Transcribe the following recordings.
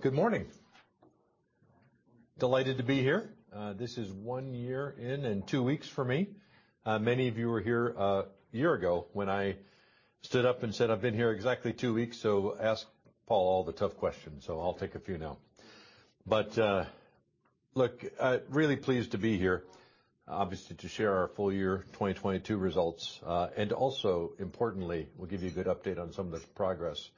Good morning. Delighted to be here. This is one year in and two weeks for me. Many of you were here a year ago when I stood up and said I've been here exactly four weeks, ask Paul all the tough questions. I'll take a few now. Look, really pleased to be here, obviously, to share our full year 2022 results. Also importantly, we'll give you a good update on some of the progress,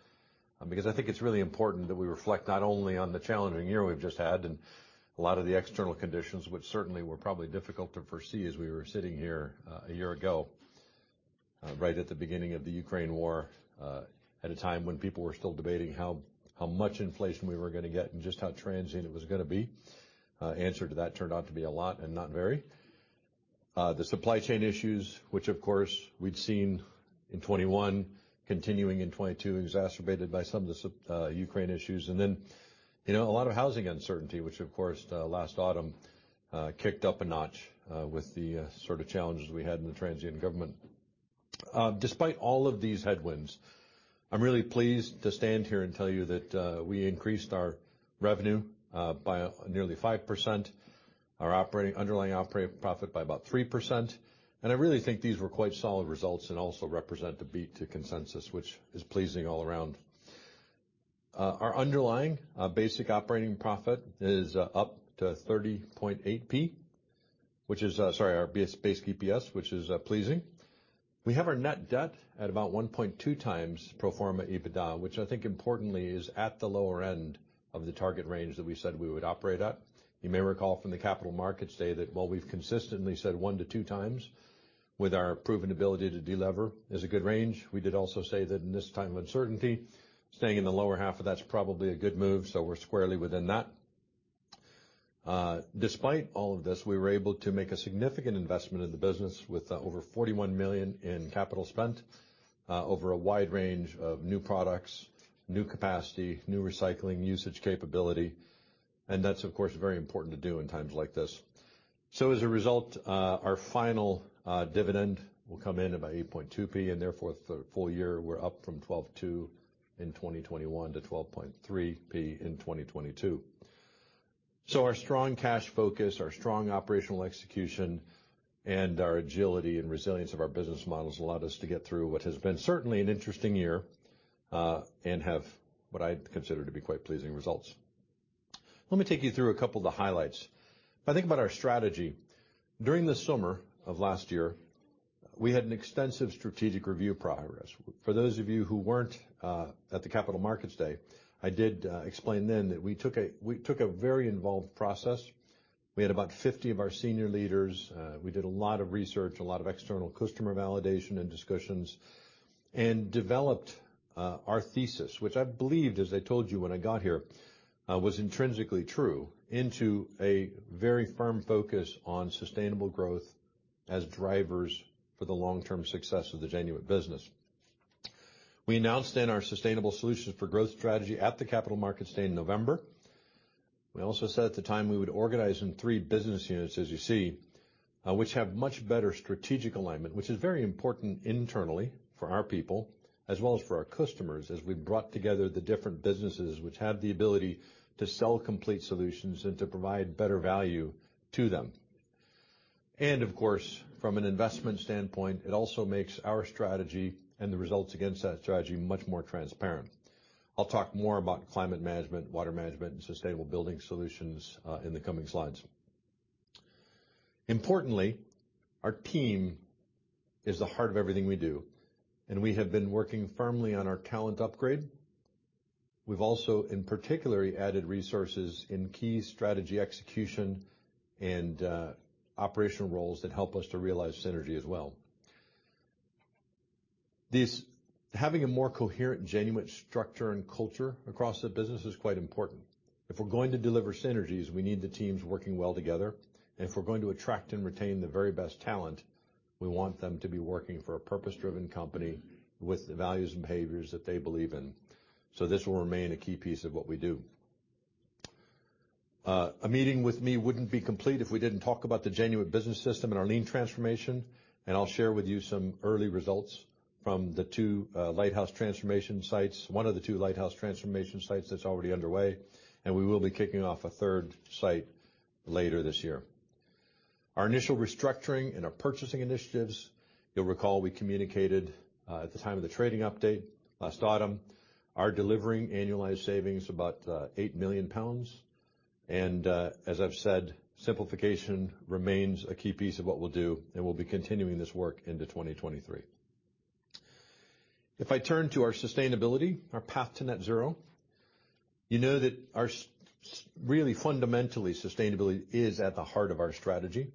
because I think it's really important that we reflect not only on the challenging year we've just had and a lot of the external conditions, which certainly were probably difficult to foresee as we were sitting here, a year ago, right at the beginning of the Ukraine war, at a time when people were still debating how much inflation we were gonna get and just how transient it was gonna be. Answer to that turned out to be a lot and not very. The supply chain issues, which of course we'd seen in 2021 continuing in 2022 exacerbated by some of the Ukraine issues, and then, you know, a lot of housing uncertainty, which of course, last autumn, kicked up a notch, with the sort of challenges we had in the transient government. Despite all of these headwinds, I'm really pleased to stand here and tell you that we increased our revenue by nearly 5%, our underlying operating profit by about 3%. I really think these were quite solid results and also represent a beat to consensus, which is pleasing all around. Our underlying basic operating profit is up to 0.308, which is, sorry, our basic EPS, which is pleasing. We have our net debt at about 1.2 times pro forma EBITDA, which I think importantly is at the lower end of the target range that we said we would operate at. You may recall from the Capital Markets Day that while we've consistently said one to two times with our proven ability to delever is a good range, we did also say that in this time of uncertainty, staying in the lower half of that's probably a good move. We're squarely within that. Despite all of this, we were able to make a significant investment in the business with over 41 million in capital spent over a wide range of new products, new capacity, new recycling usage capability. That's, of course, very important to do in times like this. As a result, our final dividend will come in about 8.2, and therefore, the full year we're up from 12.2 in 2021 to 12.3 in 2022. Our strong cash focus, our strong operational execution, and our agility and resilience of our business models allowed us to get through what has been certainly an interesting year, and have what I'd consider to be quite pleasing results. Let me take you through a couple of the highlights. I think about our strategy, during the summer of last year, we had an extensive strategic review progress. For those of you who weren't at the Capital Markets Day, I did explain then that we took a very involved process. We had about 50 of our senior leaders. We did a lot of research, a lot of external customer validation and discussions, and developed our thesis, which I believed, as I told you when I got here, was intrinsically true into a very firm focus on sustainable growth as drivers for the long-term success of the Genuit business. We announced then our sustainable solutions for growth strategy at the Capital Markets Day in November. We also said at the time we would organize in three business units, as you see, which have much better strategic alignment, which is very important internally for our people as well as for our customers as we brought together the different businesses which have the ability to sell complete solutions and to provide better value to them. Of course, from an investment standpoint, it also makes our strategy and the results against that strategy much more transparent. I'll talk more about climate management, water management, and sustainable building solutions in the coming slides. Importantly, our team is the heart of everything we do. We have been working firmly on our talent upgrade. We've also, in particular, added resources in key strategy execution and operational roles that help us to realize synergy as well. This having a more coherent Genuit structure and culture across the business is quite important. If we're going to deliver synergies, we need the teams working well together. If we're going to attract and retain the very best talent, we want them to be working for a purpose-driven company with the values and behaviors that they believe in. This will remain a key piece of what we do. A meeting with me wouldn't be complete if we didn't talk about the Genuit Business System and our lean transformation. I'll share with you some early results from the two lighthouse transformation sites, one of the two lighthouse transformation sites that's already underway, and we will be kicking off a third site later this year. Our initial restructuring and our purchasing initiatives, you'll recall we communicated at the time of the trading update last autumn, are delivering annualized savings about 8 million pounds. As I've said, simplification remains a key piece of what we'll do, and we'll be continuing this work into 2023. If I turn to our sustainability, our path to net zero, you know that our really fundamentally, sustainability is at the heart of our strategy.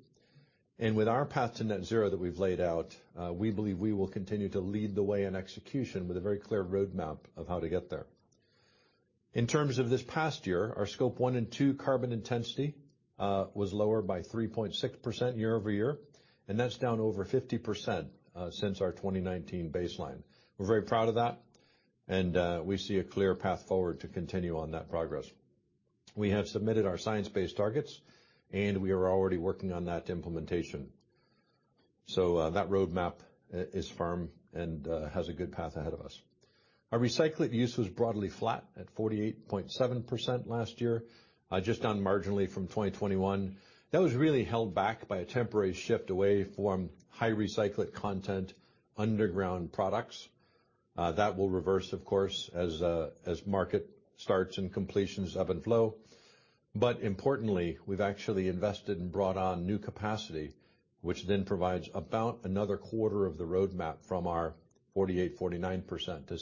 With our path to net zero that we've laid out, we believe we will continue to lead the way in execution with a very clear roadmap of how to get there. In terms of this past year, our Scope one and two carbon intensity was lower by 3.6% year-over-year, and that's down over 50% since our 2019 baseline. We're very proud of that, and we see a clear path forward to continue on that progress. We have submitted our science-based targets, and we are already working on that implementation. That roadmap is firm and has a good path ahead of us. Our recyclate use was broadly flat at 48.7% last year, just down marginally from 2021. That was really held back by a temporary shift away from high recyclate content underground products. That will reverse, of course, as market starts and completions ebb and flow. Importantly, we've actually invested and brought on new capacity, which then provides about another quarter of the roadmap from our 48%-49% to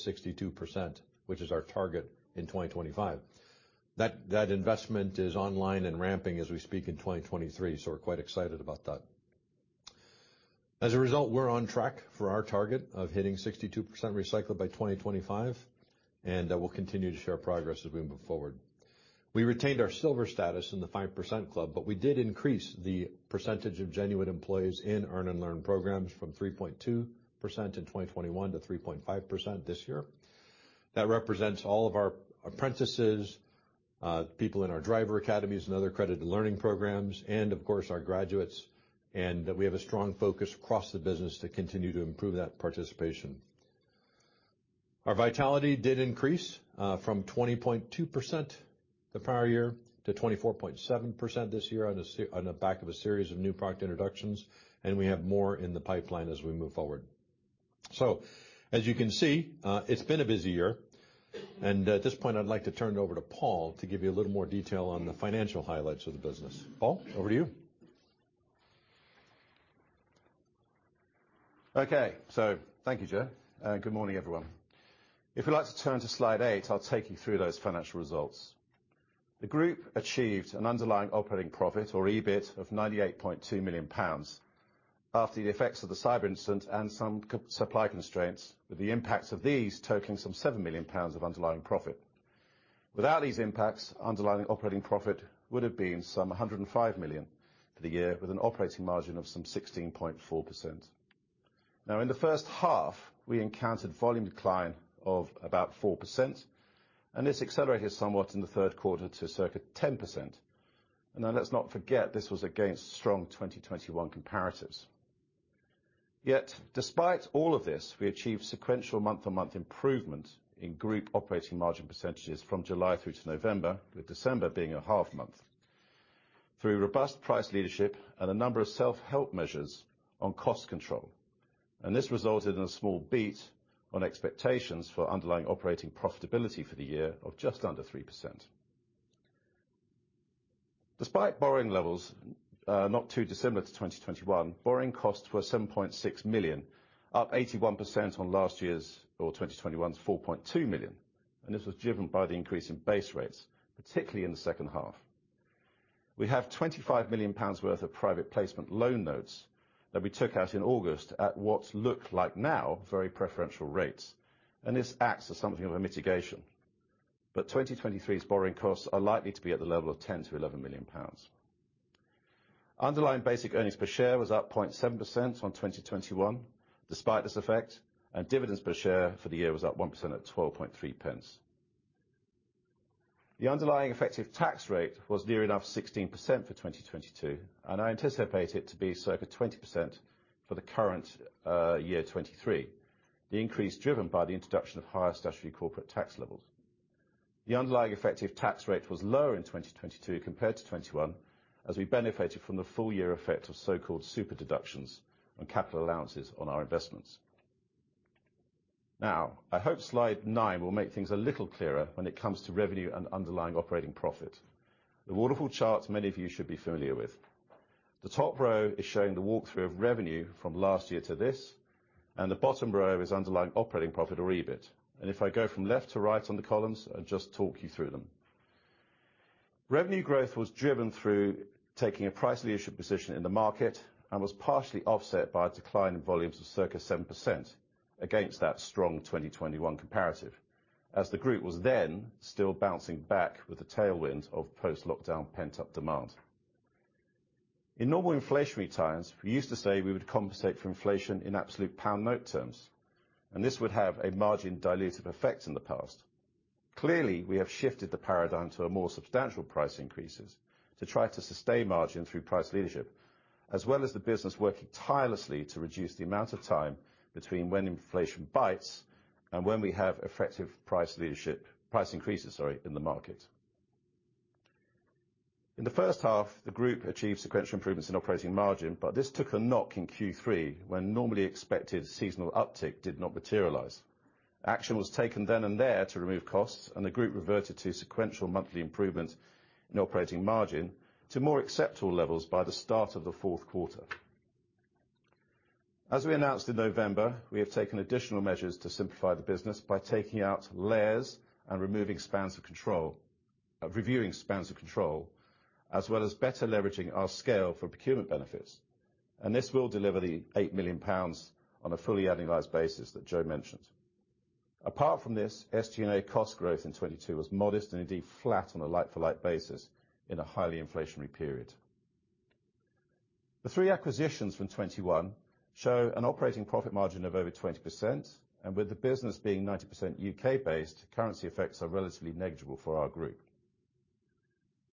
62%, which is our target in 2025. That investment is online and ramping as we speak in 2023, so we're quite excited about that. As a result, we're on track for our target of hitting 62% recyclate by 2025, and we'll continue to share progress as we move forward. We retained our silver status in The 5% Club, but we did increase the percentage of Genuit employees in Earn and Learn programs from 3.2% in 2021 to 3.5% this year. That represents all of our apprentices, people in our driver academies and other accredited learning programs, and of course, our graduates. We have a strong focus across the business to continue to improve that participation. Our Vitality did increase from 20.2% the prior year to 24.7% this year on the back of a series of new product introductions. We have more in the pipeline as we move forward. As you can see, it's been a busy year. At this point, I'd like to turn it over to Paul to give you a little more detail on the financial highlights of the business. Paul, over to you. Okay. Thank you, Joe, and good morning, everyone. If we'd like to turn to slide eight, I'll take you through those financial results. The group achieved an underlying operating profit or EBIT of 98.2 million pounds after the effects of the cyber incident and some supply constraints with the impacts of these totaling some 7 million pounds of underlying profit. Without these impacts, underlying operating profit would have been some 105 million for the year with an operating margin of some 16.4%. In the first half, we encountered volume decline of about 4%, and this accelerated somewhat in the third quarter to circa 10%. Let's not forget, this was against strong 2021 comparatives. Despite all of this, we achieved sequential month-on-month improvement in group operating margin percentages from July through to November, with December being a half month, through robust price leadership and a number of self-help measures on cost control. This resulted in a small beat on expectations for underlying operating profitability for the year of just under 3%. Despite borrowing levels, not too dissimilar to 2021, borrowing costs were 7.6 million, up 81% on last year's or 2021's 4.2 million. This was driven by the increase in base rates, particularly in the second half. We have 25 million pounds worth of private placement loan notes that we took out in August at what look like now very preferential rates. This acts as something of a mitigation. 2023's borrowing costs are likely to be at the level of 10 million to 11 million pounds. Underlying basic earnings per share was up 0.7% on 2021 despite this effect, and dividends per share for the year was up 1% at 12.3. The underlying effective tax rate was near enough 16% for 2022, and I anticipate it to be circa 20% for the current year 2023. The increase driven by the introduction of higher statutory corporate tax levels. The underlying effective tax rate was lower in 2022 compared to 2021, as we benefited from the full year effect of so-called super-deduction on capital allowances on our investments. I hope slide nine will make things a little clearer when it comes to revenue and underlying operating profit. The waterfall chart many of you should be familiar with. The top row is showing the walkthrough of revenue from last year to this, and the bottom row is underlying operating profit or EBIT. If I go from left to right on the columns and just talk you through them. Revenue growth was driven through taking a price leadership position in the market and was partially offset by a decline in volumes of circa 7% against that strong 2021 comparative, as the group was then still bouncing back with the tailwind of post-lockdown pent-up demand. In normal inflationary times, we used to say we would compensate for inflation in absolute pound note terms, and this would have a margin dilutive effect in the past. Clearly, we have shifted the paradigm to a more substantial price increases to try to sustain margin through price leadership, as well as the business working tirelessly to reduce the amount of time between when inflation bites and when we have effective price leadership, price increases, sorry, in the market. In the first half, the Group achieved sequential improvements in operating margin, but this took a knock in Q3 when normally expected seasonal uptick did not materialize. Action was taken then and there to remove costs, and the Group reverted to sequential monthly improvement in operating margin to more acceptable levels by the start of the fourth quarter. As we announced in November, we have taken additional measures to simplify the business by taking out layers and removing spans of control, reviewing spans of control, as well as better leveraging our scale for procurement benefits. This will deliver 8 million pounds on a fully annualized basis that Joe mentioned. Apart from this, SG&A cost growth in 2022 was modest and indeed flat on a like-for-like basis in a highly inflationary period. The three acquisitions from 2021 show an operating profit margin of over 20%, and with the business being 90% U.K.-based, currency effects are relatively negligible for our group.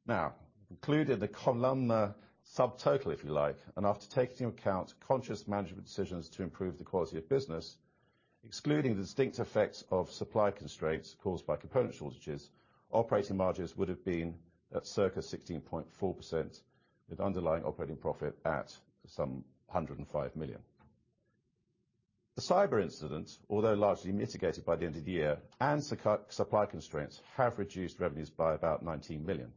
Now, including the columnar subtotal, if you like, and after taking into account conscious management decisions to improve the quality of business, excluding the distinct effects of supply constraints caused by component shortages, operating margins would've been at circa 16.4% with underlying operating profit at some 105 million. The cyber incident, although largely mitigated by the end of the year, and supply constraints have reduced revenues by about 19 million.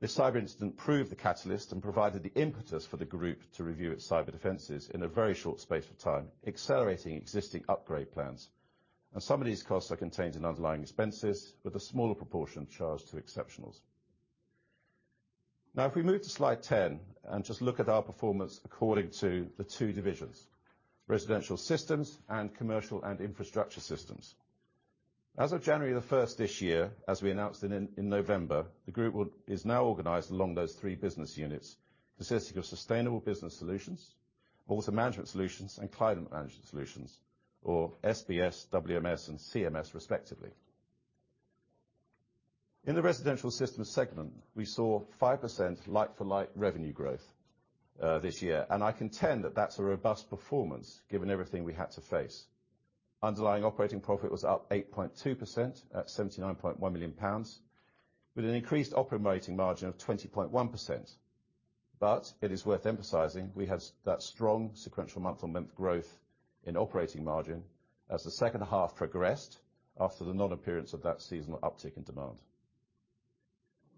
This cyber incident proved the catalyst and provided the impetus for the group to review its cyber defenses in a very short space of time, accelerating existing upgrade plans, and some of these costs are contained in underlying expenses with a smaller proportion charged to exceptionals. Now, if we move to slide 10 and just look at our performance according to the two divisions, Residential Systems and Commercial & Infrastructure Systems. As of January 1st this year, as we announced in November, the group is now organized along those three business units consisting of Sustainable Building Solutions, Water Management Solutions, and Climate Management Solutions, or SBS, WMS, and CMS respectively. In the Residential Systems segment, we saw 5% like-for-like revenue growth this year, and I contend that that's a robust performance given everything we had to face. Underlying operating profit was up 8.2% at 79.1 million pounds with an increased operating margin of 20.1%. It is worth emphasizing we had that strong sequential month-on-month growth in operating margin as the second half progressed after the non-appearance of that seasonal uptick in demand.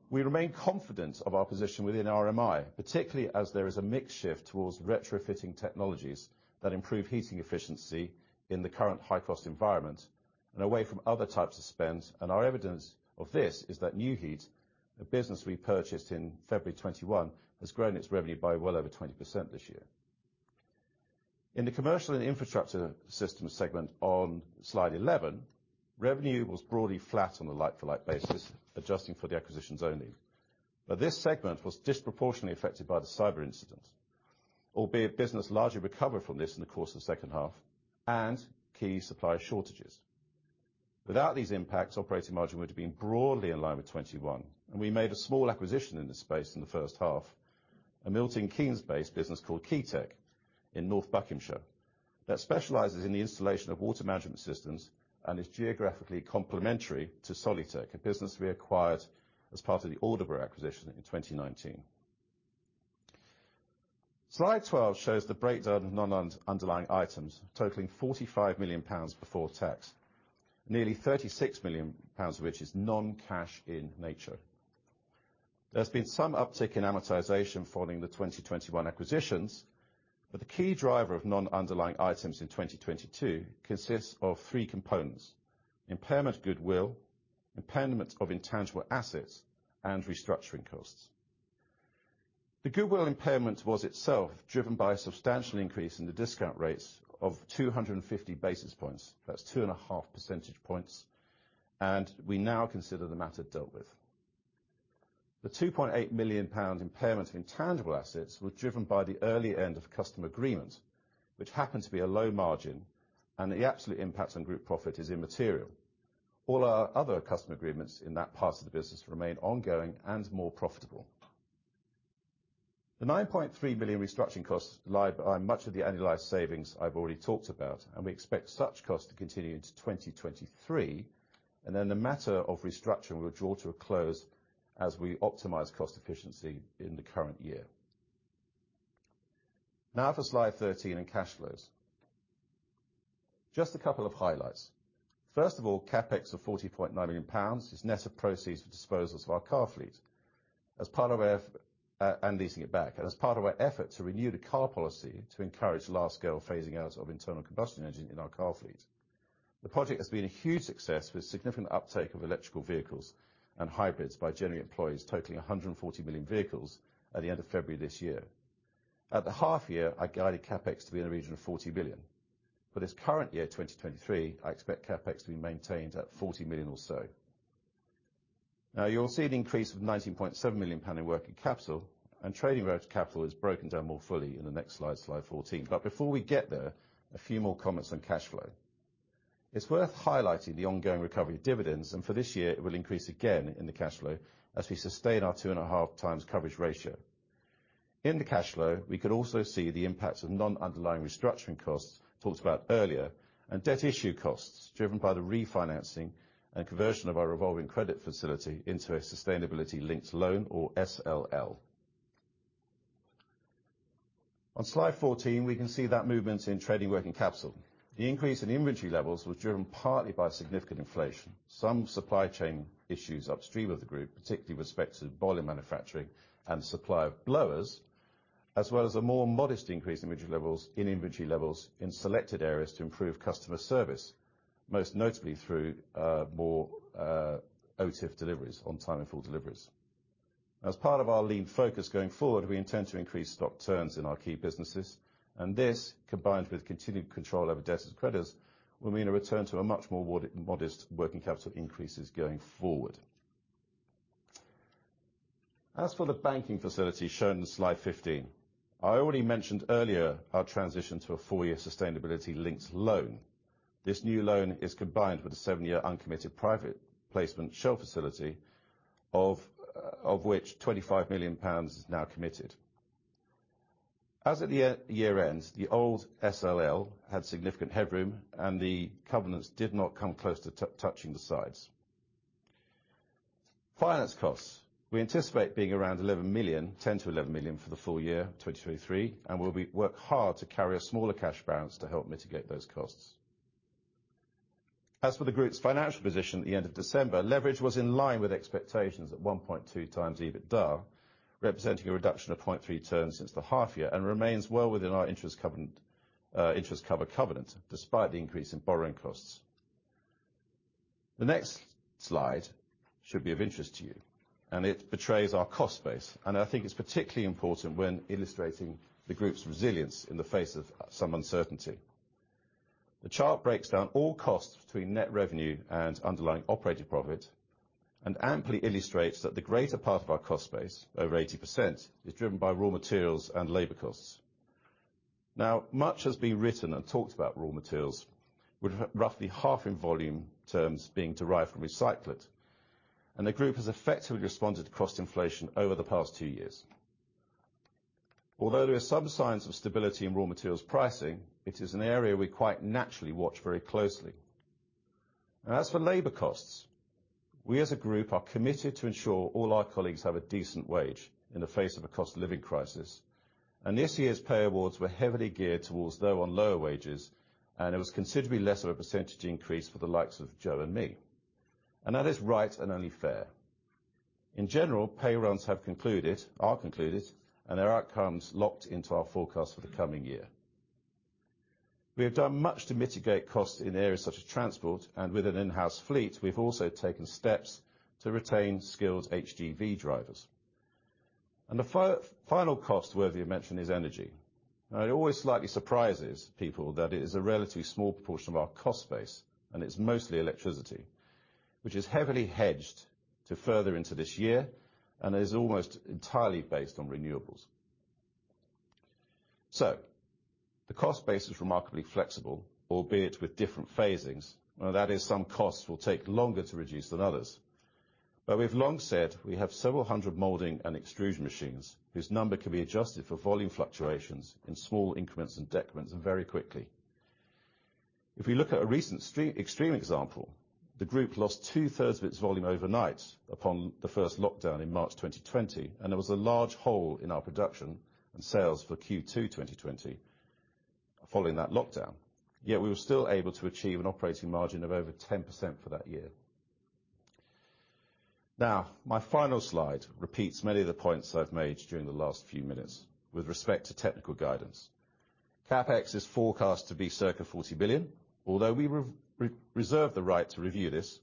We remain confident of our position within RMI, particularly as there is a mix shift towards retrofitting technologies that improve heating efficiency in the current high-cost environment and away from other types of spend. Our evidence of this is that Nu-Heat, a business we purchased in February 2021, has grown its revenue by well over 20% this year. In the Commercial & Infrastructure Systems segment on slide 11, revenue was broadly flat on a like-for-like basis, adjusting for the acquisitions only. This segment was disproportionately affected by the cyber incident, albeit business largely recovered from this in the course of the second half and key supplier shortages. Without these impacts, operating margin would've been broadly in line with 2021, and we made a small acquisition in this space in the first half, a Milton Keynes-based business called Keytec in North Buckinghamshire that specializes in the installation of water management systems and is geographically complementary to Solutek, a business we acquired as part of the Alder acquisition in 2019. Slide 12 shows the breakdown of non-underlying items totaling 45 million pounds before tax, nearly 36 million pounds of which is non-cash in nature. There's been some uptick in amortization following the 2021 acquisitions, but the key driver of non-underlying items in 2022 consists of three components: impairment of goodwill, impairment of intangible assets, and restructuring costs. The goodwill impairment was itself driven by a substantial increase in the discount rates of 250 basis points. That's 2.5 percentage points. We now consider the matter dealt with. The 2.8 million pound impairment of intangible assets was driven by the early end of customer agreement, which happened to be a low margin. The absolute impact on group profit is immaterial. All our other customer agreements in that part of the business remain ongoing, more profitable. The 9.3 million restructuring costs lie behind much of the annualized savings I've already talked about. We expect such costs to continue into 2023, then the matter of restructuring will draw to a close as we optimize cost efficiency in the current year. Now for slide 13 in cash flows. Just a couple of highlights. First of all, CapEx of 40.9 million pounds is net of proceeds for disposals of our car fleet. As part of our and leasing it back, and as part of our effort to renew the car policy to encourage large-scale phasing out of internal combustion engine in our car fleet. The project has been a huge success with significant uptake of electrical vehicles and hybrids by Genuit employees totaling 140 million vehicles at the end of February this year. At the half year, I guided CapEx to be in the region of 40 billion. For this current year, 2023, I expect CapEx to be maintained at 40 million or so. Now you'll see an increase of 19.7 million pound in working capital and trading relative capital is broken down more fully in the next slide, Slide 14. Before we get there, a few more comments on cash flow. It's worth highlighting the ongoing recovery of dividends, and for this year, it will increase again in the cash flow as we sustain our 2.5 times coverage ratio. In the cash flow, we could also see the impact of non-underlying restructuring costs talked about earlier and debt issue costs driven by the refinancing and conversion of our revolving credit facility into a sustainability-linked loan or SLL. On slide 14, we can see that movement in trading working capital. The increase in inventory levels was driven partly by significant inflation. Some supply chain issues upstream of the group, particularly with respect to boiler manufacturing and supply of blowers, as well as a more modest increase in inventory levels in selected areas to improve customer service, most notably through more OTIF deliveries, on time and full deliveries. As part of our lean focus going forward, we intend to increase stock turns in our key businesses, this, combined with continued control over debtors and creditors, will mean a return to a much more modest working capital increases going forward. As for the banking facility shown in slide 15, I already mentioned earlier our transition to a four-year sustainability-linked loan. This new loan is combined with a seven-year uncommitted private placement shelf facility of which 25 million pounds is now committed. As of the year-end, the old SLL had significant headroom. The covenants did not come close to touching the sides. Finance costs, we anticipate being around 11 million, 10 million-11 million for the full year 2023. We'll work hard to carry a smaller cash balance to help mitigate those costs. As for the group's financial position at the end of December, leverage was in line with expectations at 1.2 times EBITDA, representing a reduction of 0.3 turns since the half year and remains well within our interest covenant, interest cover covenant, despite the increase in borrowing costs. The next slide should be of interest to you. It portrays our cost base, and I think it's particularly important when illustrating the group's resilience in the face of some uncertainty. The chart breaks down all costs between net revenue and underlying operating profit. Amply illustrates that the greater part of our cost base, over 80%, is driven by raw materials and labor costs. Much has been written and talked about raw materials, with roughly half in volume terms being derived from recyclate. The group has effectively responded to cost inflation over the past two years. Although there are some signs of stability in raw materials pricing, it is an area we quite naturally watch very closely. As for labor costs, we, as a group, are committed to ensure all our colleagues have a decent wage in the face of a cost of living crisis. This year's pay awards were heavily geared towards those on lower wages, and it was considerably less of a percentage increase for the likes of Joe and me. That is right and only fair. In general, pay runs are concluded, and their outcome's locked into our forecast for the coming year. We have done much to mitigate costs in areas such as transport, and with an in-house fleet, we've also taken steps to retain skilled HGV drivers. The final cost worthy of mention is energy. Now it always slightly surprises people that it is a relatively small proportion of our cost base, and it's mostly electricity, which is heavily hedged to further into this year and is almost entirely based on renewables. The cost base is remarkably flexible, albeit with different phasings. Now that is, some costs will take longer to reduce than others. We've long said we have several hundred molding and extrusion machines whose number can be adjusted for volume fluctuations in small increments and decrements, and very quickly. If we look at a recent extreme example, the group lost two-thirds of its volume overnight upon the first lockdown in March 2020, and there was a large hole in our production and sales for Q2 2020 following that lockdown. Yet we were still able to achieve an operating margin of over 10% for that year. My final slide repeats many of the points I've made during the last few minutes with respect to technical guidance. CapEx is forecast to be circa 40 billion, although we re-reserve the right to review this,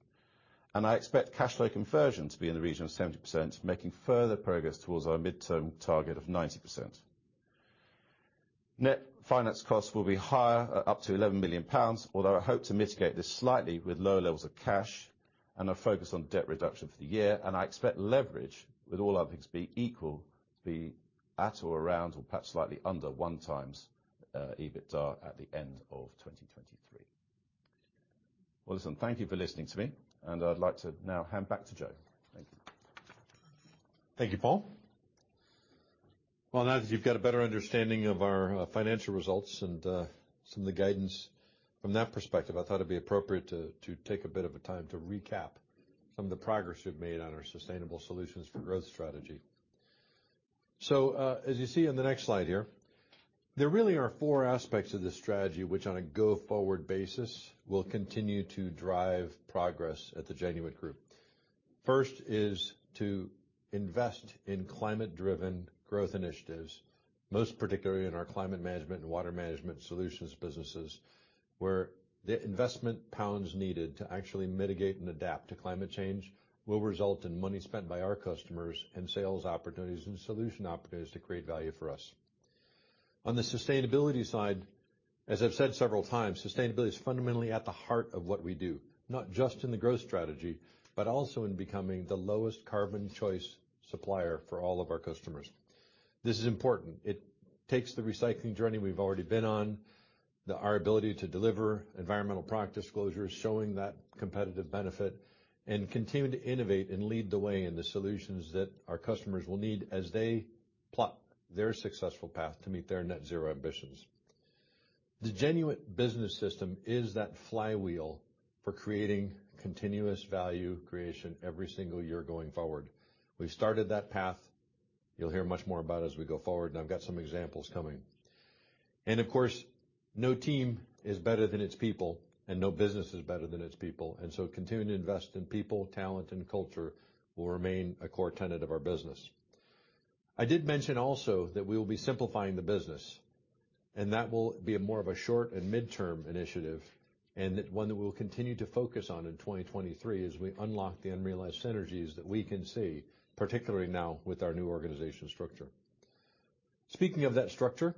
and I expect cash flow conversion to be in the region of 70%, making further progress towards our midterm target of 90%. Net finance costs will be higher, at up to 11 million pounds, although I hope to mitigate this slightly with low levels of cash and a focus on debt reduction for the year. I expect leverage with all other things being equal, to be at or around or perhaps slightly under one times EBITDA at the end of 2023. Listen, thank you for listening to me, I'd like to now hand back to Joe. Thank you. Thank you, Paul. Well, now that you've got a better understanding of our financial results and some of the guidance from that perspective, I thought it'd be appropriate to take a bit of a time to recap some of the progress we've made on our sustainable solutions for growth strategy. As you see on the next slide here, there really are four aspects of this strategy, which, on a go-forward basis, will continue to drive progress at the Genuit Group. First is to invest in climate-driven growth initiatives, most particularly in our Climate Management Solutions and Water Management Solutions businesses, where the investment pounds needed to actually mitigate and adapt to climate change will result in money spent by our customers and sales opportunities and solution opportunities to create value for us. On the sustainability side, as I've said several times, sustainability is fundamentally at the heart of what we do, not just in the growth strategy, but also in becoming the lowest carbon choice supplier for all of our customers. This is important. It takes the recycling journey we've already been on, our ability to deliver Environmental Product Disclosures, showing that competitive benefit, and continuing to innovate and lead the way in the solutions that our customers will need as they plot their successful path to meet their net zero ambitions. The Genuit Business System is that flywheel for creating continuous value creation every single year going forward. We've started that path. You'll hear much more about it as we go forward, and I've got some examples coming. Of course, no team is better than its people, and no business is better than its people. Continuing to invest in people, talent, and culture will remain a core tenet of our business. I did mention also that we will be simplifying the business, and that will be more of a short and mid-term initiative, and one that we'll continue to focus on in 2023 as we unlock the unrealized synergies that we can see, particularly now with our new organizational structure. Speaking of that structure,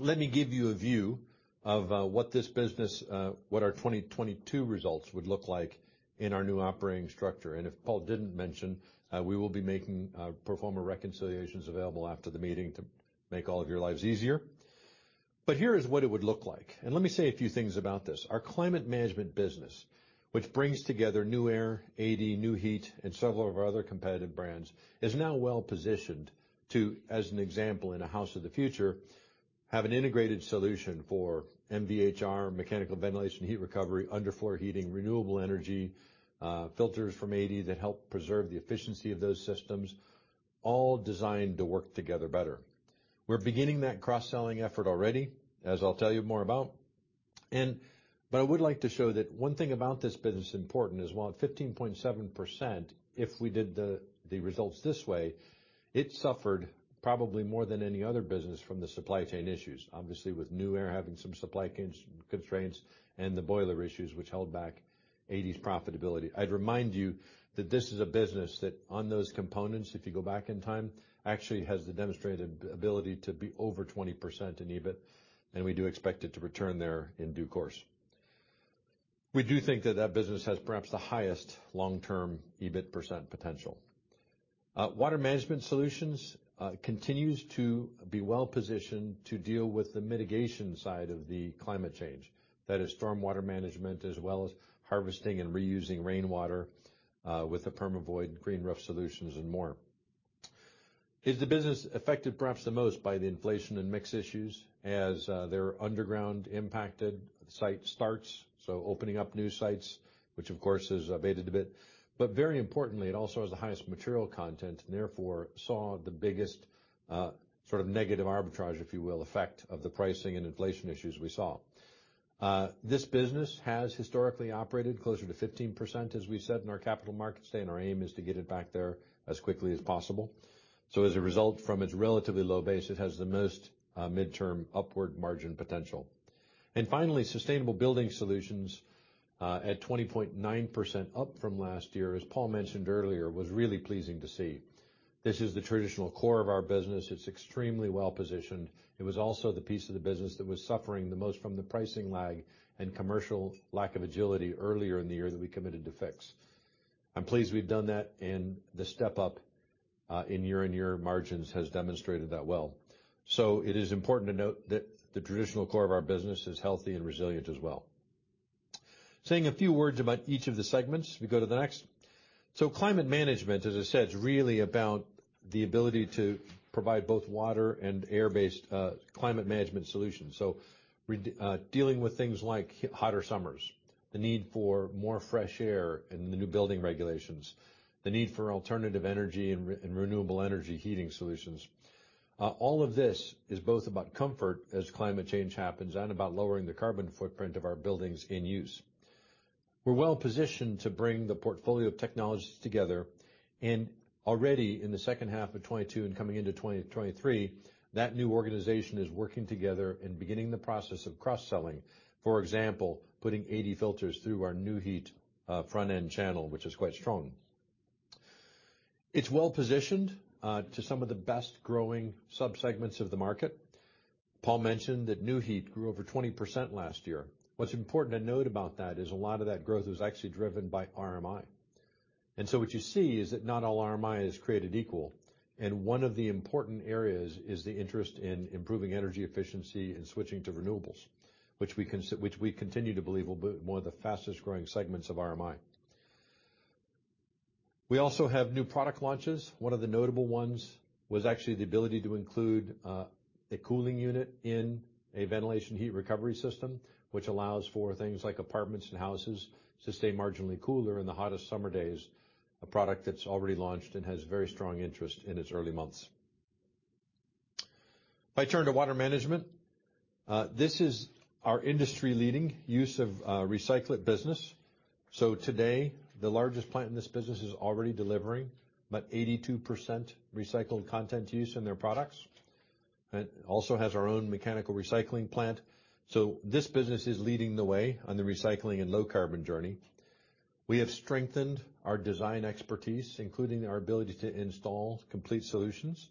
let me give you a view of what this business, what our 2022 results would look like in our new operating structure. If Paul didn't mention, we will be making pro forma reconciliations available after the meeting to make all of your lives easier. But here is what it would look like, and let me say a few things about this. Our Climate Management business, which brings together Nuaire, Adey, Nu-Heat, and several of our other competitive brands, is now well positioned to, as an example, in a house of the future, have an integrated solution for MVHR, mechanical ventilation heat recovery, underfloor heating, renewable energy, filters from Adey that help preserve the efficiency of those systems, all designed to work together better. We're beginning that cross-selling effort already, as I'll tell you more about. I would like to show that one thing about this business important is while at 15.7%, if we did the results this way, it suffered probably more than any other business from the supply chain issues. Obviously, with Nuaire having some supply chains constraints and the boiler issues which held back Adey's profitability. I'd remind you that this is a business that on those components, if you go back in time, actually has the demonstrated ability to be over 20% in EBIT, and we do expect it to return there in due course. We do think that that business has perhaps the highest long-term EBIT % potential. Water Management Solutions continues to be well positioned to deal with the mitigation side of the climate change. That is storm water management, as well as harvesting and reusing rainwater with the Permavoid green roof solutions and more. Is the business affected perhaps the most by the inflation and mix issues as they're underground impacted site starts, so opening up new sites, which of course has abated a bit. Very importantly, it also has the highest material content, therefore saw the biggest sort of negative arbitrage, if you will, effect of the pricing and inflation issues we saw. This business has historically operated closer to 15%, as we said in our capital markets day, and our aim is to get it back there as quickly as possible. As a result, from its relatively low base, it has the most midterm upward margin potential. Finally, Sustainable Building Solutions, at 20.9% up from last year, as Paul mentioned earlier, was really pleasing to see. This is the traditional core of our business. It's extremely well positioned. It was also the piece of the business that was suffering the most from the pricing lag and commercial lack of agility earlier in the year that we committed to fix. I'm pleased we've done that, and the step-up in year-on-year margins has demonstrated that well. It is important to note that the traditional core of our business is healthy and resilient as well. Saying a few words about each of the segments. We go to the next. Climate Management, as I said, is really about the ability to provide both water and air-based climate management solutions. dealing with things like hotter summers, the need for more fresh air in the new building regulations, the need for alternative energy and renewable energy heating solutions. All of this is both about comfort as climate change happens and about lowering the carbon footprint of our buildings in use. We're well positioned to bring the portfolio of technologies together, already in the second half of 2022 and coming into 2023, that new organization is working together and beginning the process of cross-selling. For example, putting Adey filters through our Nu-Heat front-end channel, which is quite strong. It's well positioned to some of the best growing subsegments of the market. Paul mentioned that Nu-Heat grew over 20% last year. What's important to note about that is a lot of that growth was actually driven by RMI. What you see is that not all RMI is created equal, and one of the important areas is the interest in improving energy efficiency and switching to renewables, which we continue to believe will be one of the fastest-growing segments of RMI. We also have new product launches. One of the notable ones was actually the ability to include a cooling unit in a ventilation heat recovery system, which allows for things like apartments and houses to stay marginally cooler in the hottest summer days, a product that's already launched and has very strong interest in its early months. If I turn to Water Management, this is our industry-leading use of recycled business. Today, the largest plant in this business is already delivering about 82% recycled content use in their products. It also has our own mechanical recycling plant. This business is leading the way on the recycling and low-carbon journey. We have strengthened our design expertise, including our ability to install complete solutions.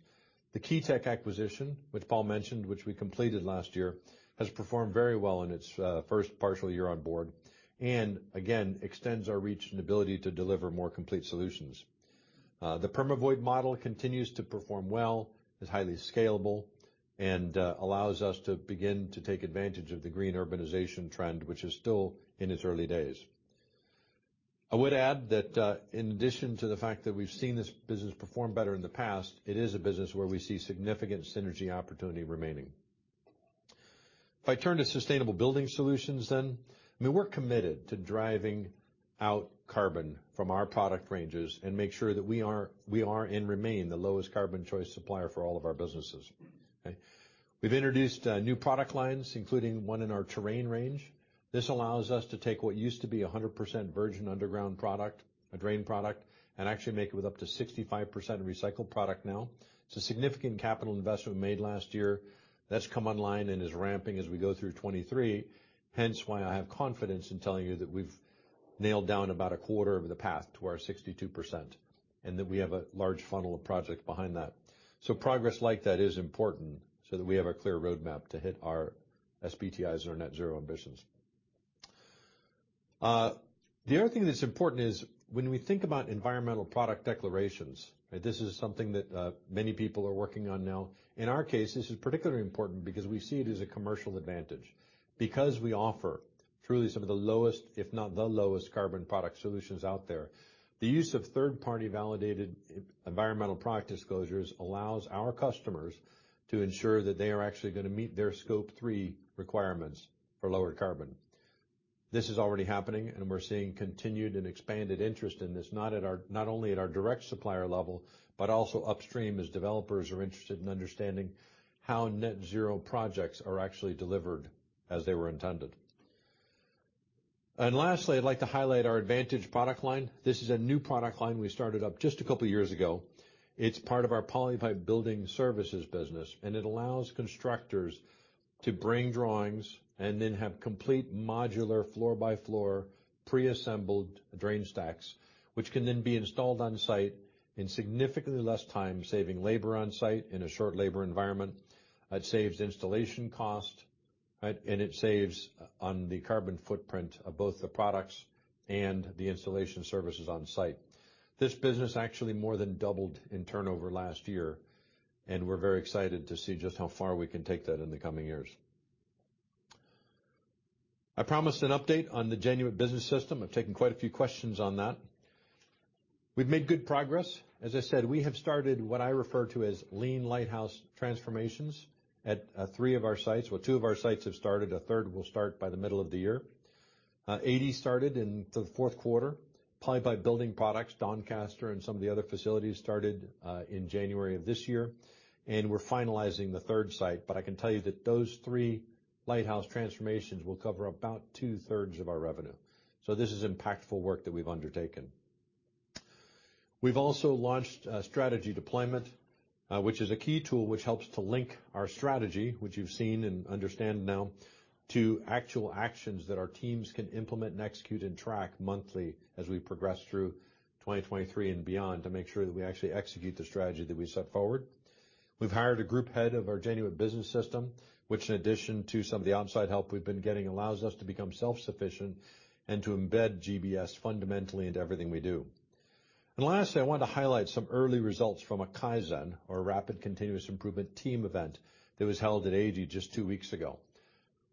The Keytec acquisition, which Paul mentioned, which we completed last year, has performed very well in its first partial year on board, and again extends our reach and ability to deliver more complete solutions. The Permavoid model continues to perform well, is highly scalable, and allows us to begin to take advantage of the green urbanization trend, which is still in its early days. I would add that, in addition to the fact that we've seen this business perform better in the past, it is a business where we see significant synergy opportunity remaining. I mean, we're committed to driving out carbon from our product ranges and make sure that we are and remain the lowest carbon choice supplier for all of our businesses. Okay? We've introduced new product lines, including one in our Terrain range. This allows us to take what used to be a 100% virgin underground product, a drain product, and actually make it with up to 65% recycled product now. It's a significant capital investment made last year that's come online and is ramping as we go through 2023, hence why I have confidence in telling you that we've nailed down about a quarter of the path to our 62%, and that we have a large funnel of projects behind that. Progress like that is important so that we have a clear roadmap to hit our SBTIs and our net zero ambitions. The other thing that's important is when we think about Environmental Product Declarations, right? This is something that many people are working on now. In our case, this is particularly important because we see it as a commercial advantage. We offer truly some of the lowest, if not the lowest carbon product solutions out there, the use of third-party validated e-environmental product disclosures allows our customers to ensure that they are actually gonna meet their Scope three requirements for lower carbon. This is already happening, and we're seeing continued and expanded interest in this, not only at our direct supplier level, but also upstream as developers are interested in understanding how net zero projects are actually delivered as they were intended. Lastly, I'd like to highlight our Advantage product line. This is a new product line we started up just a couple years ago. It's part of our Polypipe Building Services business. It allows constructors to bring drawings and then have complete modular floor-by-floor pre-assembled drain stacks, which can then be installed on site in significantly less time, saving labor on site in a short labor environment. It saves installation cost, right? It saves on the carbon footprint of both the products and the installation services on site. This business actually more than doubled in turnover last year. We're very excited to see just how far we can take that in the coming years. I promised an update on the Genuit Business System. I've taken quite a few questions on that. We've made good progress. As I said, we have started what I refer to as lean lighthouse transformations at three of our sites. Well, two of our sites have started. A third will start by the middle of the year. 80 started in the fourth quarter. Polypipe Building Products, Doncaster, and some of the other facilities started in January of this year, and we're finalizing the third site. I can tell you that those three lighthouse transformations will cover about 2/3 of our revenue. This is impactful work that we've undertaken. We've also launched Strategy Deployment, which is a key tool which helps to link our strategy, which you've seen and understand now, to actual actions that our teams can implement and execute and track monthly as we progress through 2023 and beyond to make sure that we actually execute the strategy that we set forward. We've hired a group head of our Genuit Business System, which in addition to some of the outside help we've been getting, allows us to become self-sufficient and to embed GBS fundamentally into everything we do. Lastly, I wanted to highlight some early results from a Kaizen or a rapid continuous improvement team event that was held at Adey just two weeks ago.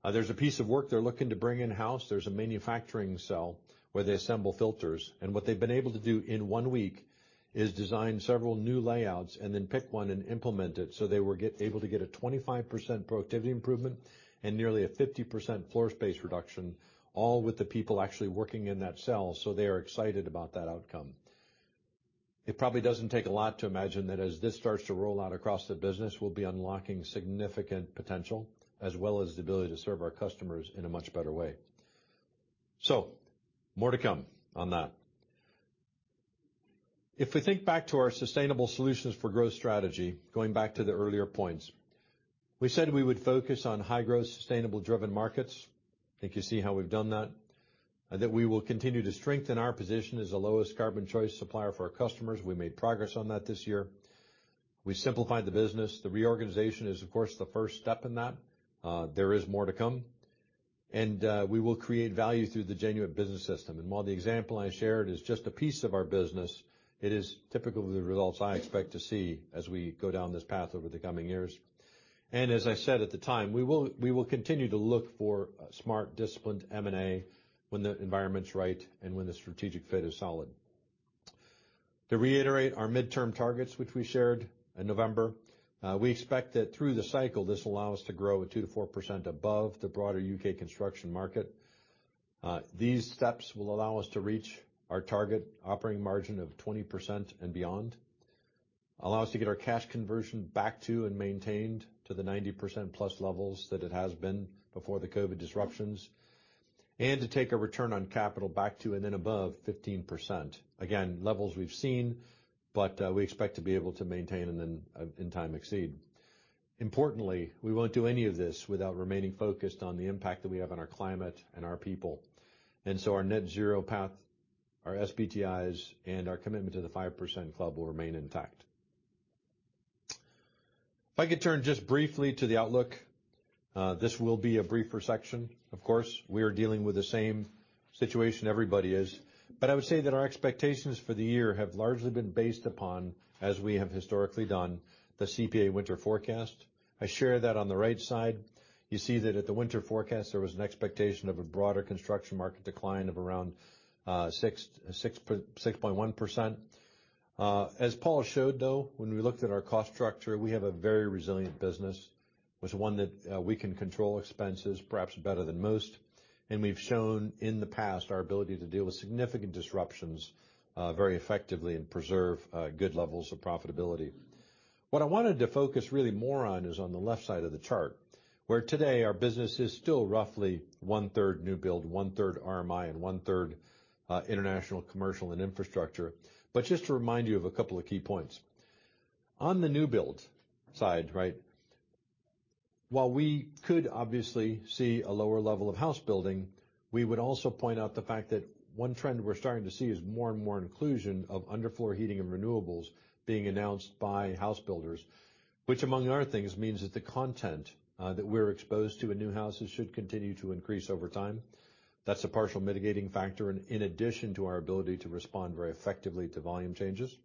There's a piece of work they're looking to bring in-house. There's a manufacturing cell where they assemble filters, and what they've been able to do in one week is design several new layouts and then pick one and implement it. They were able to get a 25% productivity improvement and nearly a 50% floor space reduction, all with the people actually working in that cell, so they are excited about that outcome. It probably doesn't take a lot to imagine that as this starts to roll out across the business, we'll be unlocking significant potential as well as the ability to serve our customers in a much better way. More to come on that. If we think back to our sustainable solutions for growth strategy, going back to the earlier points, we said we would focus on high-growth, sustainable-driven markets. I think you see how we've done that. We will continue to strengthen our position as the lowest carbon choice supplier for our customers. We made progress on that this year. We simplified the business. The reorganization is of course the first step in that. There is more to come. We will create value through the Genuit Business System. While the example I shared is just a piece of our business, it is typical of the results I expect to see as we go down this path over the coming years. As I said at the time, we will continue to look for smart, disciplined M&A when the environment's right and when the strategic fit is solid. To reiterate our midterm targets, which we shared in November, we expect that through the cycle, this will allow us to grow at 2%-4% above the broader U.K. construction market. These steps will allow us to reach our target operating margin of 20% and beyond, allow us to get our cash conversion back to and maintained to the 90%+ levels that it has been before the COVID disruptions, and to take a return on capital back to and then above 15%. Again, levels we've seen, but we expect to be able to maintain and then in time exceed. Importantly, we won't do any of this without remaining focused on the impact that we have on our climate and our people. Our net zero path, our SBTIs, and our commitment to The 5% Club will remain intact. If I could turn just briefly to the outlook, this will be a briefer section. Of course, we are dealing with the same situation everybody is. I would say that our expectations for the year have largely been based upon, as we have historically done, the CPA winter forecast. I share that on the right side. You see that at the winter forecast, there was an expectation of a broader construction market decline of around 6.1%. As Paul showed though, when we looked at our cost structure, we have a very resilient business. It's one that we can control expenses perhaps better than most. We've shown in the past our ability to deal with significant disruptions very effectively and preserve good levels of profitability. What I wanted to focus really more on is on the left side of the chart, where today our business is still roughly 1/3 new build, 1/3 RMI, and 1/3 international, commercial, and infrastructure. Just to remind you of a couple of key points. On the new build side, right, while we could obviously see a lower level of house building, we would also point out the fact that one trend we're starting to see is more and more inclusion of underfloor heating and renewables being announced by house builders. Which among other things means that the content that we're exposed to in new houses should continue to increase over time. That's a partial mitigating factor in addition to our ability to respond very effectively to volume changes.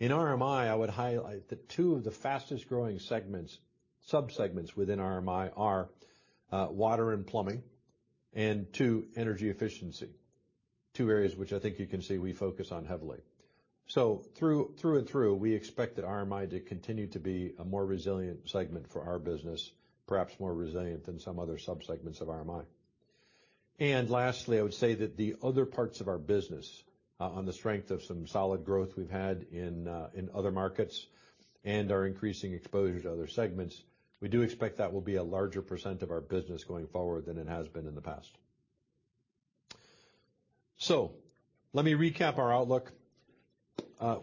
In RMI, I would highlight that two of the fastest-growing segments, subsegments within RMI are water and plumbing, and two, energy efficiency. Two areas which I think you can see we focus on heavily. Through and through, we expect that RMI to continue to be a more resilient segment for our business, perhaps more resilient than some other subsegments of RMI. Lastly, I would say that the other parts of our business, on the strength of some solid growth we've had in other markets and our increasing exposure to other segments, we do expect that will be a larger percent of our business going forward than it has been in the past. Let me recap our outlook.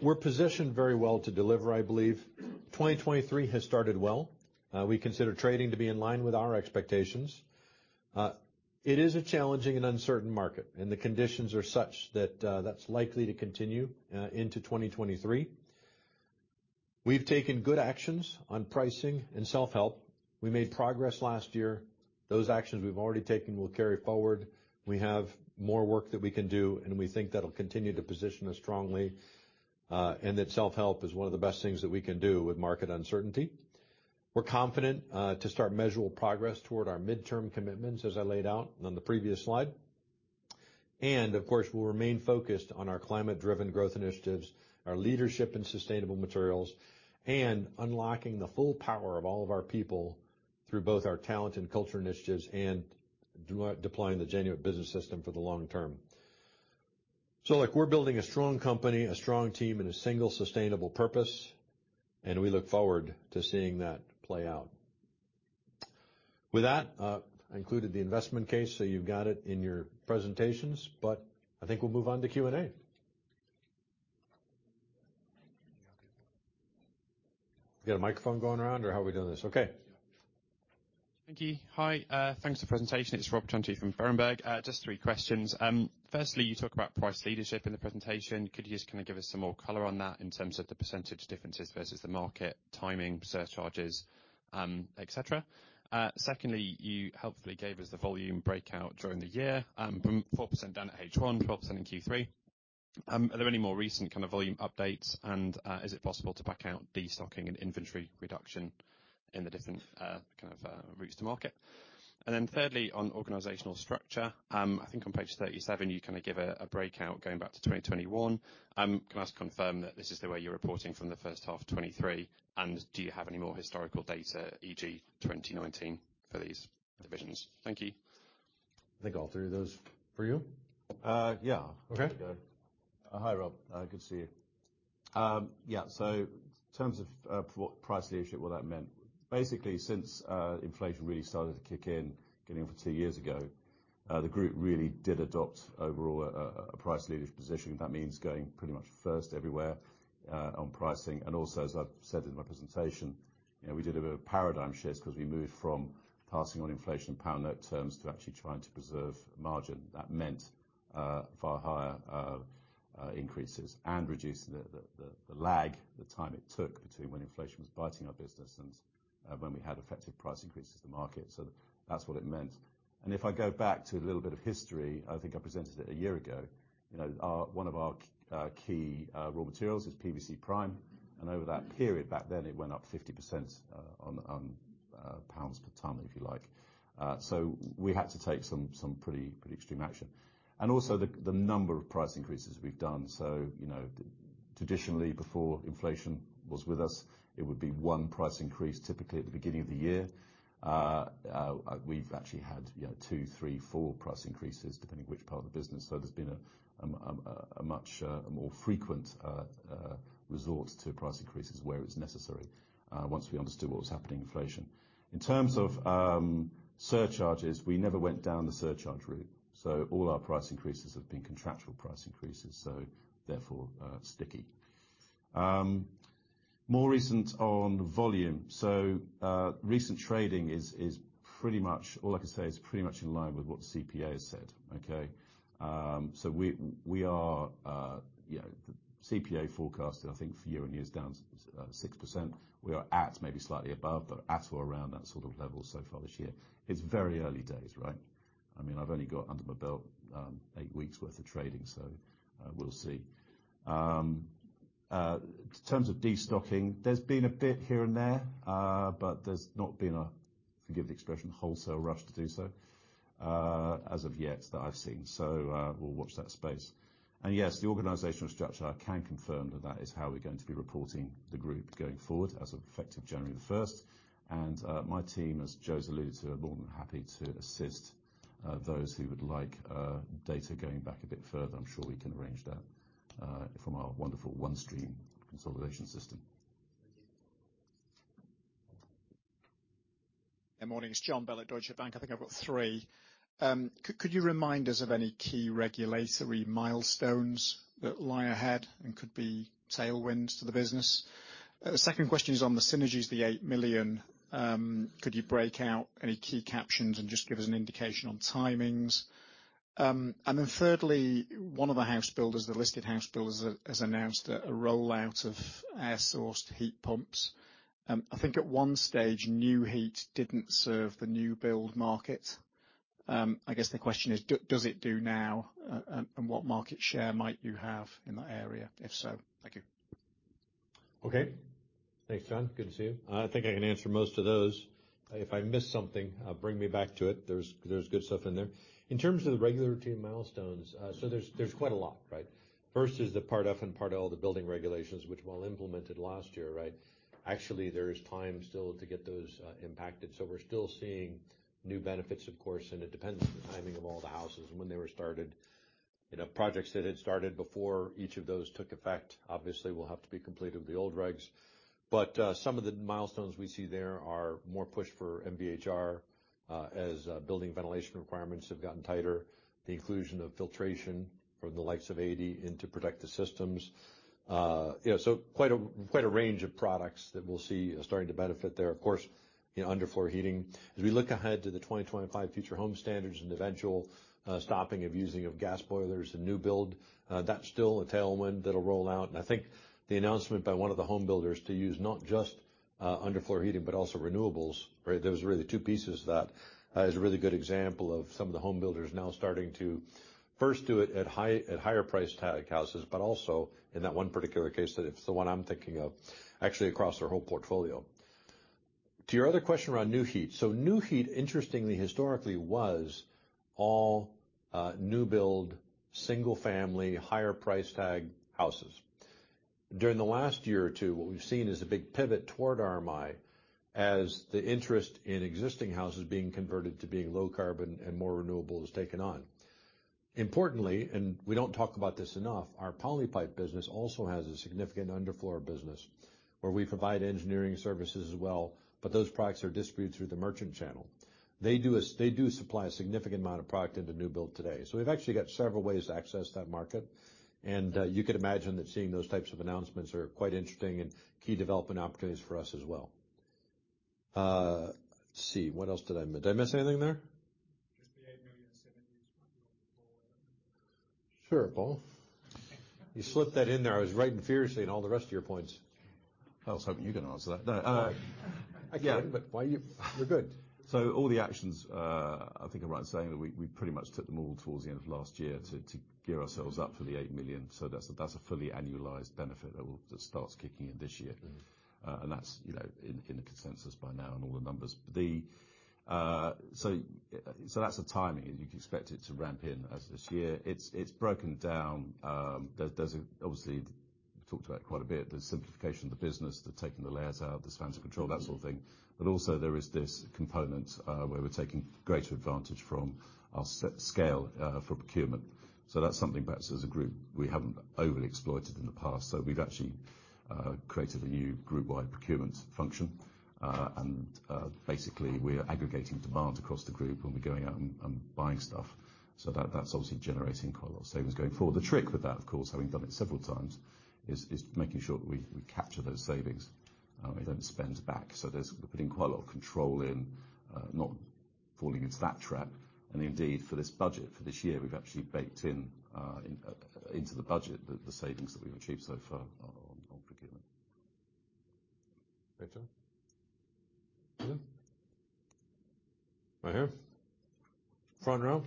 We're positioned very well to deliver, I believe. 2023 has started well. We consider trading to be in line with our expectations. It is a challenging and uncertain market, the conditions are such that that's likely to continue into 2023. We've taken good actions on pricing and self-help. We made progress last year. Those actions we've already taken will carry forward. We have more work that we can do, we think that'll continue to position us strongly, and that self-help is one of the best things that we can do with market uncertainty. We're confident to start measurable progress toward our midterm commitments as I laid out on the previous slide. Of course, we'll remain focused on our climate-driven growth initiatives, our leadership in sustainable materials, and unlocking the full power of all of our people through both our talent and culture initiatives and deploying the Genuit Business System for the long term. Look, we're building a strong company, a strong team, and a single sustainable purpose, and we look forward to seeing that play out. With that, I included the investment case. You've got it in your presentations. I think we'll move on to Q&A. You got a microphone going around or how are we doing this? Okay. Thank you. Hi, thanks for the presentation. It's Robert Torday from Berenberg. Just three questions. Firstly, you talk about price leadership in the presentation. Could you just give us some more color on that in terms of the percentage differences versus the market, timing, surcharges, etc? Secondly, you helpfully gave us the volume breakout during the year, from 4% down at H1, drops in Q3. Are there any more recent volume updates? Is it possible to back out destocking and inventory reduction in the different routes to market? Thirdly, on organizational structure, I think on page 37, you give a breakout going back to 2021. Can I confirm that this is the way you're reporting from the first half 2023? Do you have any more historical data, e.g. 2019, for these divisions? Thank you. I think all three of those are for you. Yeah. Okay. Hi, Rob. good to see you. Yeah, so in terms of what price leadership, what that meant, basically since inflation really started to kick in, getting on for two years ago, the group really did adopt overall a price leadership position. That means going pretty much first everywhere on pricing. Also, as I've said in my presentation, you know, we did a bit of paradigm shift because we moved from passing on inflation pound note terms to actually trying to preserve margin. That meant far higher increases and reducing the lag, the time it took between when inflation was biting our business and when we had effective price increases to market. That's what it meant. If I go back to a little bit of history, I think I presented it a year ago. You know, our, one of our key raw materials is PVC prime, and over that period back then, it went up 50% on GBP per ton, if you like. We had to take some pretty extreme action. Also the number of price increases we've done. You know, traditionally before inflation was with us, it would be one price increase, typically at the beginning of the year. We've actually had, you know, two, three, four price increases, depending which part of the business. There's been a much more frequent resort to price increases where it's necessary, once we understood what was happening with inflation. In terms of surcharges, we never went down the surcharge route. All our price increases have been contractual price increases, so therefore sticky. More recent on volume. Recent trading is pretty much, all I can say is pretty much in line with what CPA said, okay? We are, you know, the CPA forecast, I think for year-on-year is down 6%. We are at maybe slightly above, but at or around that sort of level so far this year. It's very early days, right? I mean, I've only got under my belt eight weeks worth of trading, so we'll see. In terms of destocking, there's been a bit here and there, but there's not been a, forgive the expression, wholesale rush to do so as of yet that I've seen. We'll watch that space. Yes, the organizational structure, I can confirm that that is how we're going to be reporting the group going forward as of effective January the first. My team, as Joe's alluded to, are more than happy to assist those who would like data going back a bit further. I'm sure we can arrange that from our wonderful OneStream consolidation system. Good morning. It's Jon Bell at Deutsche Bank. I think I've got three. Could you remind us of any key regulatory milestones that lie ahead and could be tailwinds to the business? Second question is on the synergies, the 8 million. Could you break out any key captions and just give us an indication on timings? Thirdly, one of the house builders, the listed house builders, has announced a rollout of air source heat pumps. I think at one stage, Nu-Heat didn't serve the new build market. I guess the question is does it do now? What market share might you have in that area, if so? Thank you. Okay. Thanks, Jon. Good to see you. I think I can answer most of those. If I miss something, bring me back to it. There's good stuff in there. In terms of the regulatory milestones, there's quite a lot, right? First is the Part F and Part L of the building regulations, which were implemented last year, right? Actually, there's time still to get those impacted. We're still seeing new benefits, of course, and it depends on the timing of all the houses and when they were started. You know, projects that had started before each of those took effect obviously will have to be completed with the old regs. Some of the milestones we see there are more push for MVHR, as building ventilation requirements have gotten tighter. The inclusion of filtration from the likes of Adey into protective systems. You know, so quite a range of products that we'll see starting to benefit there. Of course, you know, underfloor heating. As we look ahead to the 2025 Future Homes Standard and eventual stopping of using of gas boilers and new build, that's still a tailwind that'll roll out. I think the announcement by one of the home builders to use not just underfloor heating but also renewables, right? There was really two pieces to that. That is a really good example of some of the home builders now starting to first do it at higher price tag houses, but also in that one particular case, that if it's the one I'm thinking of, actually across their whole portfolio. To your other question around Nu-Heat. Nu-Heat, interestingly, historically, was all new build, single family, higher price tag houses. During the last one or two years, what we've seen is a big pivot toward RMI as the interest in existing houses being converted to being low carbon and more renewable has taken on. Importantly, and we don't talk about this enough, our Polypipe business also has a significant underfloor business where we provide engineering services as well, but those products are distributed through the merchant channel. They do supply a significant amount of product into new build today. We've actually got several ways to access that market. You could imagine that seeing those types of announcements are quite interesting and key development opportunities for us as well. Let's see. What else did I miss? Did I miss anything there? Just the GBP 8 million savings from Sure, Paul. You slipped that in there. I was writing furiously in all the rest of your points. I was hoping you were gonna answer that. No. Sorry. I could, but why you? We're good. All the actions, I think I'm right in saying that we pretty much took them all towards the end of last year to gear ourselves up for the 8 million. That's a fully annualized benefit that starts kicking in this year. Mm-hmm. That's, you know, in the consensus by now and all the numbers. That's the timing. You'd expect it to ramp in as this year. It's broken down. There's obviously, we talked about it quite a bit, the simplification of the business, the taking the layers out, the spans of control, that sort of thing. Also there is this component where we're taking greater advantage from our scale for procurement. That's something perhaps as a group we haven't overly exploited in the past. We've actually created a new group wide procurement function. Basically, we are aggregating demand across the group when we're going out and buying stuff. That's obviously generating quite a lot of savings going forward. The trick with that, of course, having done it several times, is making sure that we capture those savings, we don't spend back. There's putting quite a lot of control in not falling into that trap. Indeed, for this budget, for this year, we've actually baked in into the budget the savings that we've achieved so far on procurement. Victor? No. Right here. Front row.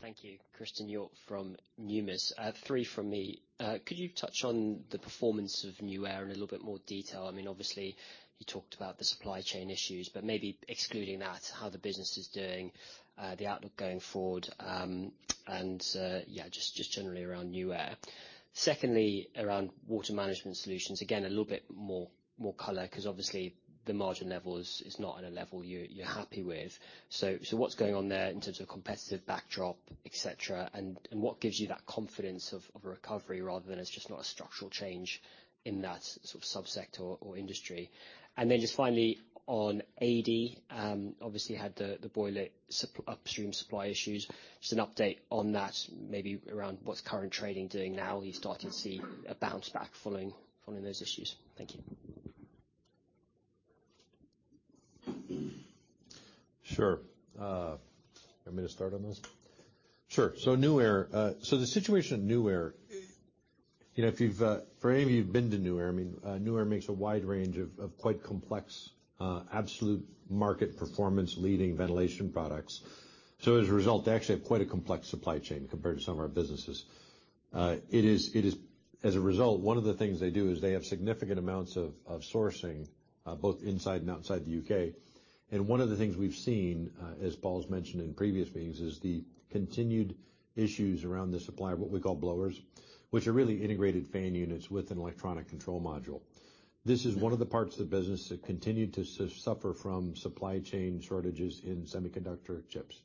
Thank you. Chris Millington from Numis. Three from me. Could you touch on the performance of Nuaire in a little bit more detail? I mean, obviously, you talked about the supply chain issues, but maybe excluding that, how the business is doing, the outlook going forward, and, yeah, just generally around Nuaire. Secondly, around Water Management Solutions, again, a little bit more color, 'cause obviously the margin level is not at a level you're happy with. What's going on there in terms of competitive backdrop, et cetera, and what gives you that confidence of a recovery rather than it's just not a structural change in that sort of subsector or industry? Just finally on Adey, obviously had the boiler upstream supply issues. Just an update on that, maybe around what's current trading doing now. Are you starting to see a bounce back following those issues? Thank you. Sure. You want me to start on this? Sure. Nuaire. The situation at Nuaire, you know, if you've, for any of you who've been to Nuaire, I mean, Nuaire makes a wide range of quite complex, absolute market performance leading ventilation products. As a result, they actually have quite a complex supply chain compared to some of our businesses. As a result, one of the things they do is they have significant amounts of sourcing, both inside and outside the UK. One of the things we've seen, as Paul's mentioned in previous meetings, is the continued issues around the supply of what we call blowers, which are really integrated fan units with an electronic control module. This is one of the parts of the business that continued to suffer from supply chain shortages in semiconductor chips.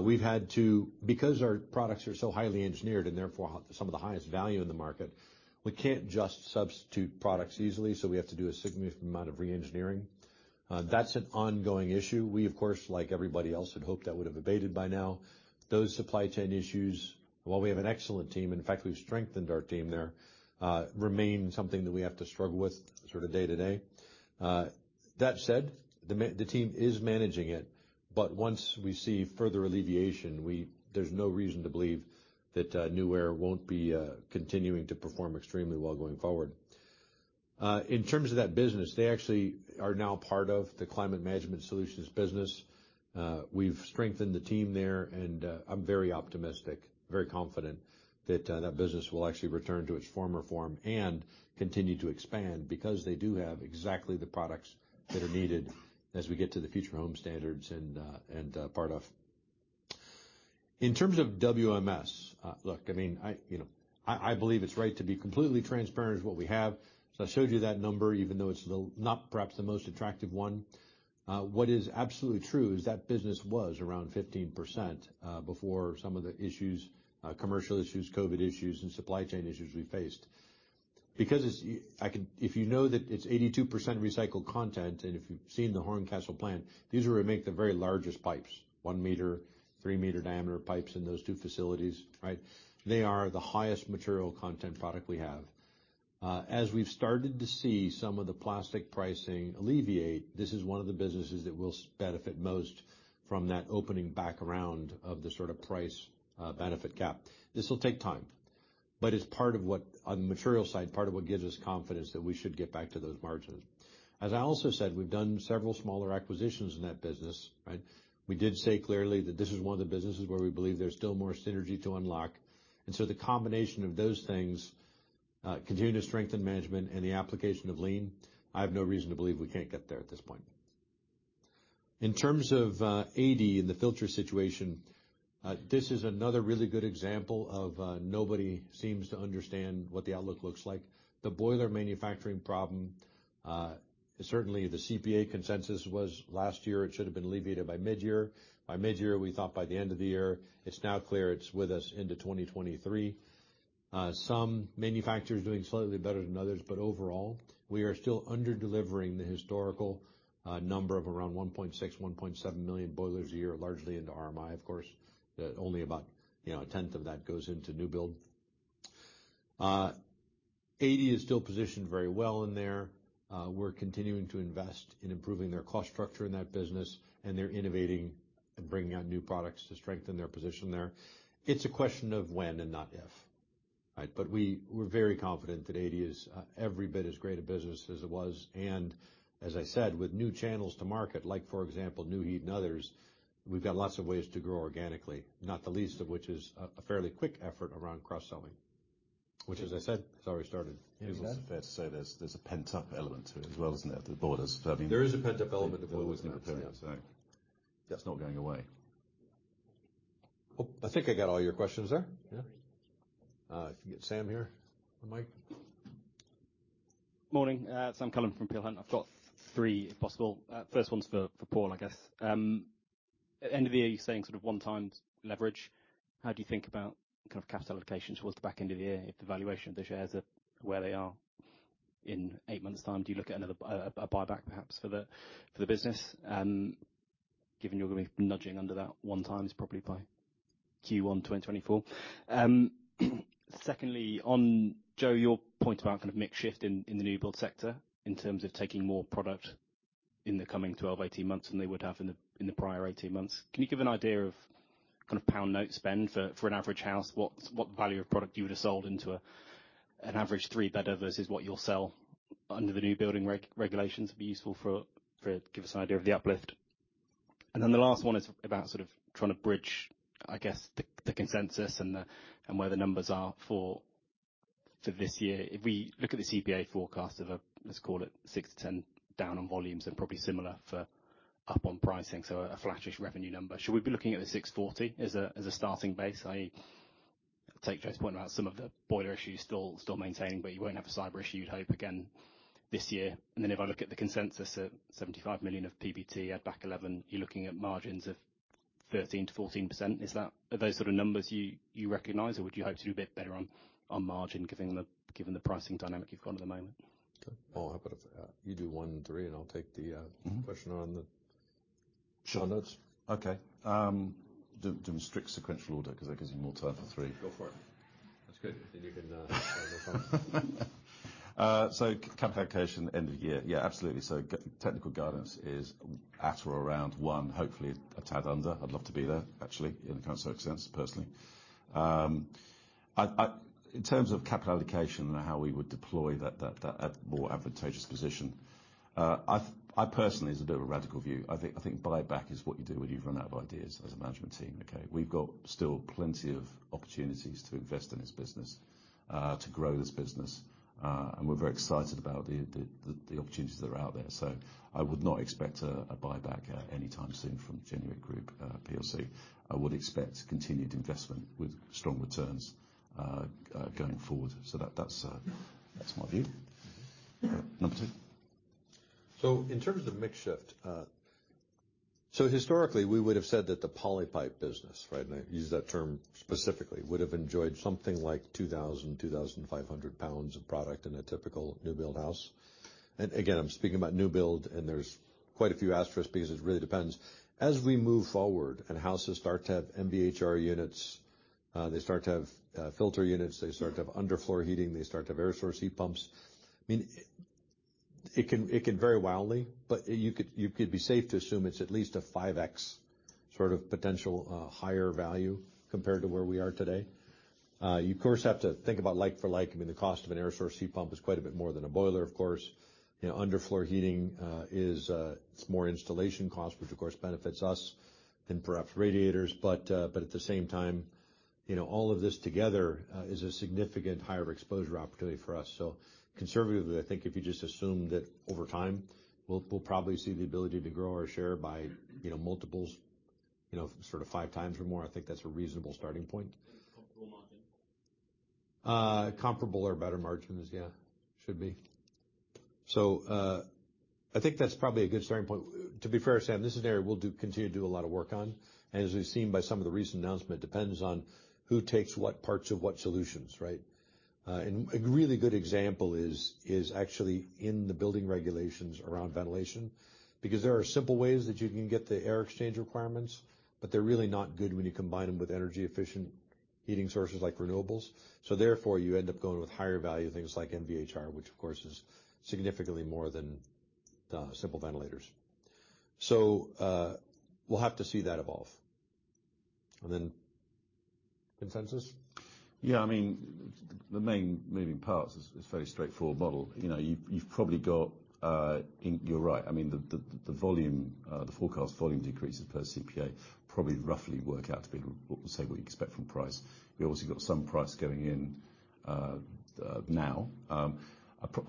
We've had to, because our products are so highly engineered, and therefore some of the highest value in the market, we can't just substitute products easily, so we have to do a significant amount of re-engineering. That's an ongoing issue. We, of course, like everybody else, had hoped that would have abated by now. Those supply chain issues, while we have an excellent team, in fact, we've strengthened our team there, remain something that we have to struggle with sort of day to day. That said, the team is managing it, but once we see further alleviation, we there's no reason to believe that Nuaire won't be continuing to perform extremely well going forward. In terms of that business, they actually are now part of the Climate Management Solutions business. We've strengthened the team there, I'm very optimistic, very confident that that business will actually return to its former form and continue to expand because they do have exactly the products that are needed as we get to the Future Homes Standard and, part of... In terms of WMS, look, I mean, I, you know, I believe it's right to be completely transparent with what we have. I showed you that number, even though it's not perhaps the most attractive one. What is absolutely true is that business was around 15%, before some of the issues, commercial issues, COVID issues, and supply chain issues we faced. Because it's, I can... If you know that it's Adey 2% recycled content, if you've seen the Horncastle plant, these are what make the very largest pipes, one meter, three meter diameter pipes in those two facilities, right? They are the highest material content product we have. As we've started to see some of the plastic pricing alleviate, this is one of the businesses that will benefit most from that opening back around of the sort of price benefit gap. This will take time, it's part of what, on the material side, part of what gives us confidence that we should get back to those margins. As I also said, we've done several smaller acquisitions in that business, right? We did say clearly that this is one of the businesses where we believe there's still more synergy to unlock. The combination of those things, continue to strengthen management and the application of Lean, I have no reason to believe we can't get there at this point. In terms of Adey and the filter situation, this is another really good example of nobody seems to understand what the outlook looks like. The boiler manufacturing problem, certainly the CPA consensus was last year. It should have been alleviated by midyear. By midyear, we thought by the end of the year. It's now clear it's with us into 2023. Some manufacturers doing slightly better than others, but overall, we are still under-delivering the historical number of around 1.6, 1.7 million boilers a year, largely into RMI, of course. Only about, you know, a tenth of that goes into new build. Adey is still positioned very well in there. We're continuing to invest in improving their cost structure in that business, and they're innovating and bringing out new products to strengthen their position there. It's a question of when and not if, right? We're very confident that Adey is every bit as great a business as it was. As I said, with new channels to market, like for example, Nu-Heat and others, we've got lots of ways to grow organically, not the least of which is a fairly quick effort around cross-selling, which as I said, has already started. Is it fair to say there's a pent-up element to it as well, isn't it? The borders. I mean. There is a pent-up element of all of that, yeah. That's not going away. I think I got all your questions there. Yeah. If you get Sam here on mic. Morning. Sam Cullen from Peel Hunt. I've got three, if possible. First one's for Paul, I guess. End of the year, you're saying sort of one times leverage. How do you think about kind of capital allocations towards the back end of the year if the valuation of the shares are where they are in eight months' time? Do you look at another a buyback perhaps for the business? Given you're gonna be nudging under that one time, it's probably by Q1 2024. Secondly, on Joe, your point about kind of mix shift in the new build sector in terms of taking more product in the coming 12, 18 months than they would have in the prior 18 months. Can you give an idea of kind of GBP note spend for an average house? What value of product you would have sold into an average three bed versus what you'll sell under the new building regulations be useful for give us an idea of the uplift. The last one is about sort of trying to bridge, I guess, the consensus and where the numbers are for this year. If we look at the CPA forecast of a, let's call it 6%-10% down on volumes and probably similar for up on pricing, so a flattish revenue number. Should we be looking at 640 million as a starting base? I take Joe's point about some of the boiler issues still maintaining, but you won't have a cyber issue, you'd hope, again this year. If I look at the consensus at 75 million of PBT at back eleven, you're looking at margins of 13%-14%. Are those sort of numbers you recognize? Would you hope to do a bit better on margin given the pricing dynamic you've got at the moment? Paul, how about if you do one and three, and I'll take the. Mm-hmm. question on the. Sure. I know it. Okay. The strict sequential order 'cause that gives me more time for three. Go for it. That's good. You can have more fun. Capital allocation end of year. Yes, absolutely. Technical guidance is at or around one, hopefully a tad under. I'd love to be there, actually, in a kind of sense, personally. In terms of capital allocation and how we would deploy that at more advantageous position, I personally, this is a bit of a radical view, I think buyback is what you do when you've run out of ideas as a management team, okay? We've got still plenty of opportunities to invest in this business, to grow this business, and we're very excited about the opportunities that are out there. I would not expect a buyback anytime soon from the Genuit Group plc. I would expect continued investment with strong returns going forward. That's my view. Number two. In terms of mix shift, historically, we would have said that the Polypipe business, right? I use that term specifically, would have enjoyed something like 2,000 to 2,500 pounds of product in a typical new build house. Again, I'm speaking about new build, and there's quite a few asterisks because it really depends. As we move forward and houses start to have MVHR units. They start to have filter units. They start to have underfloor heating. They start to have air source heat pumps. I mean, it can vary wildly, but you could be safe to assume it's at least a 5x sort of potential higher value compared to where we are today. You of course, have to think about like for like, I mean, the cost of an air source heat pump is quite a bit more than a boiler, of course. You know, underfloor heating is more installation cost, which of course benefits us than perhaps radiators. At the same time, you know, all of this together is a significant higher exposure opportunity for us. Conservatively, I think if you just assume that over time, we'll probably see the ability to grow our share by, you know, multiples, you know, sort of five times or more. I think that's a reasonable starting point. Comparable margin? Comparable or better margins, yeah, should be. I think that's probably a good starting point. To be fair, Sam, this is an area we'll continue to do a lot of work on. As we've seen by some of the recent announcement, depends on who takes what parts of what solutions, right? A really good example is actually in the building regulations around ventilation, because there are simple ways that you can get the air exchange requirements, but they're really not good when you combine them with energy efficient heating sources like renewables. Therefore, you end up going with higher value things like MVHR, which of course is significantly more than simple ventilators. We'll have to see that evolve. Consensus? Yeah. I mean, the main moving parts is fairly straightforward model. You know, you've probably got, you're right. I mean, the volume, the forecast volume decreases per CPA probably roughly work out to be say what you expect from price. We obviously got some price going in now.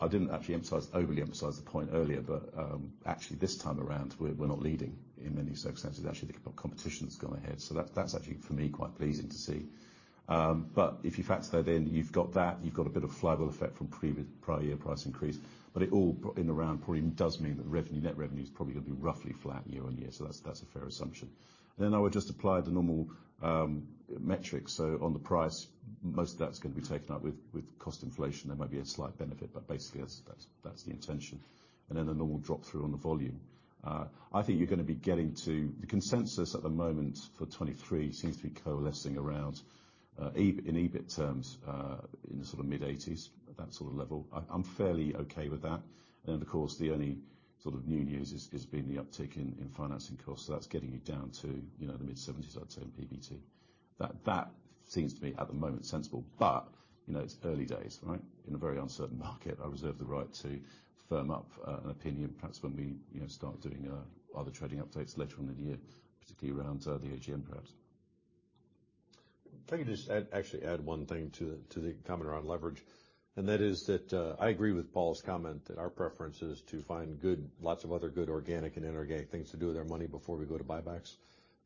I didn't actually emphasize, overly emphasize the point earlier, but actually this time around, we're not leading in any circumstances. Actually, the competition's gone ahead. That's actually for me, quite pleasing to see. If you factor that in, you've got a bit of flywheel effect from prior year price increase, but it all in around probably does mean that revenue, net revenue is probably gonna be roughly flat year-on-year. That's a fair assumption. I would just apply the normal metrics. On the price, most of that's gonna be taken up with cost inflation. There might be a slight benefit, but basically that's the intention. The normal drop through on the volume. I think you're gonna be getting to the consensus at the moment for 2023 seems to be coalescing around in EBIT terms, in the sort of mid-80s, that sort of level. I'm fairly okay with that. Of course, the only sort of new news is been the uptick in financing costs. That's getting you down to, you know, the mid-70s I'd say on PBT. That seems to be at the moment sensible but, you know, it's early days, right? In a very uncertain market, I reserve the right to firm up an opinion perhaps when we, you know, start doing other trading updates later on in the year, particularly around the AGM perhaps. If I could just add actually one thing to the comment around leverage, and that is that I agree with Paul's comment that our preference is to find good, lots of other good organic and inorganic things to do with our money before we go to buybacks.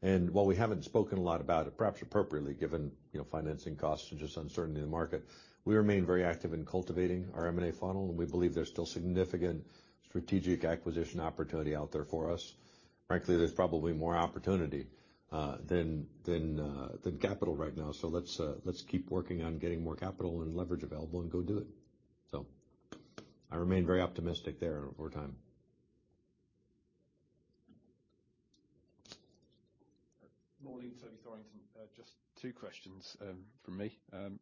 While we haven't spoken a lot about it, perhaps appropriately given, you know, financing costs are just uncertainty in the market, we remain very active in cultivating our M&A funnel, and we believe there's still significant strategic acquisition opportunity out there for us. Frankly, there's probably more opportunity than capital right now. Let's keep working on getting more capital and leverage available and go do it. I remain very optimistic there over time. Morning, Toby Thornton. Just two questions from me.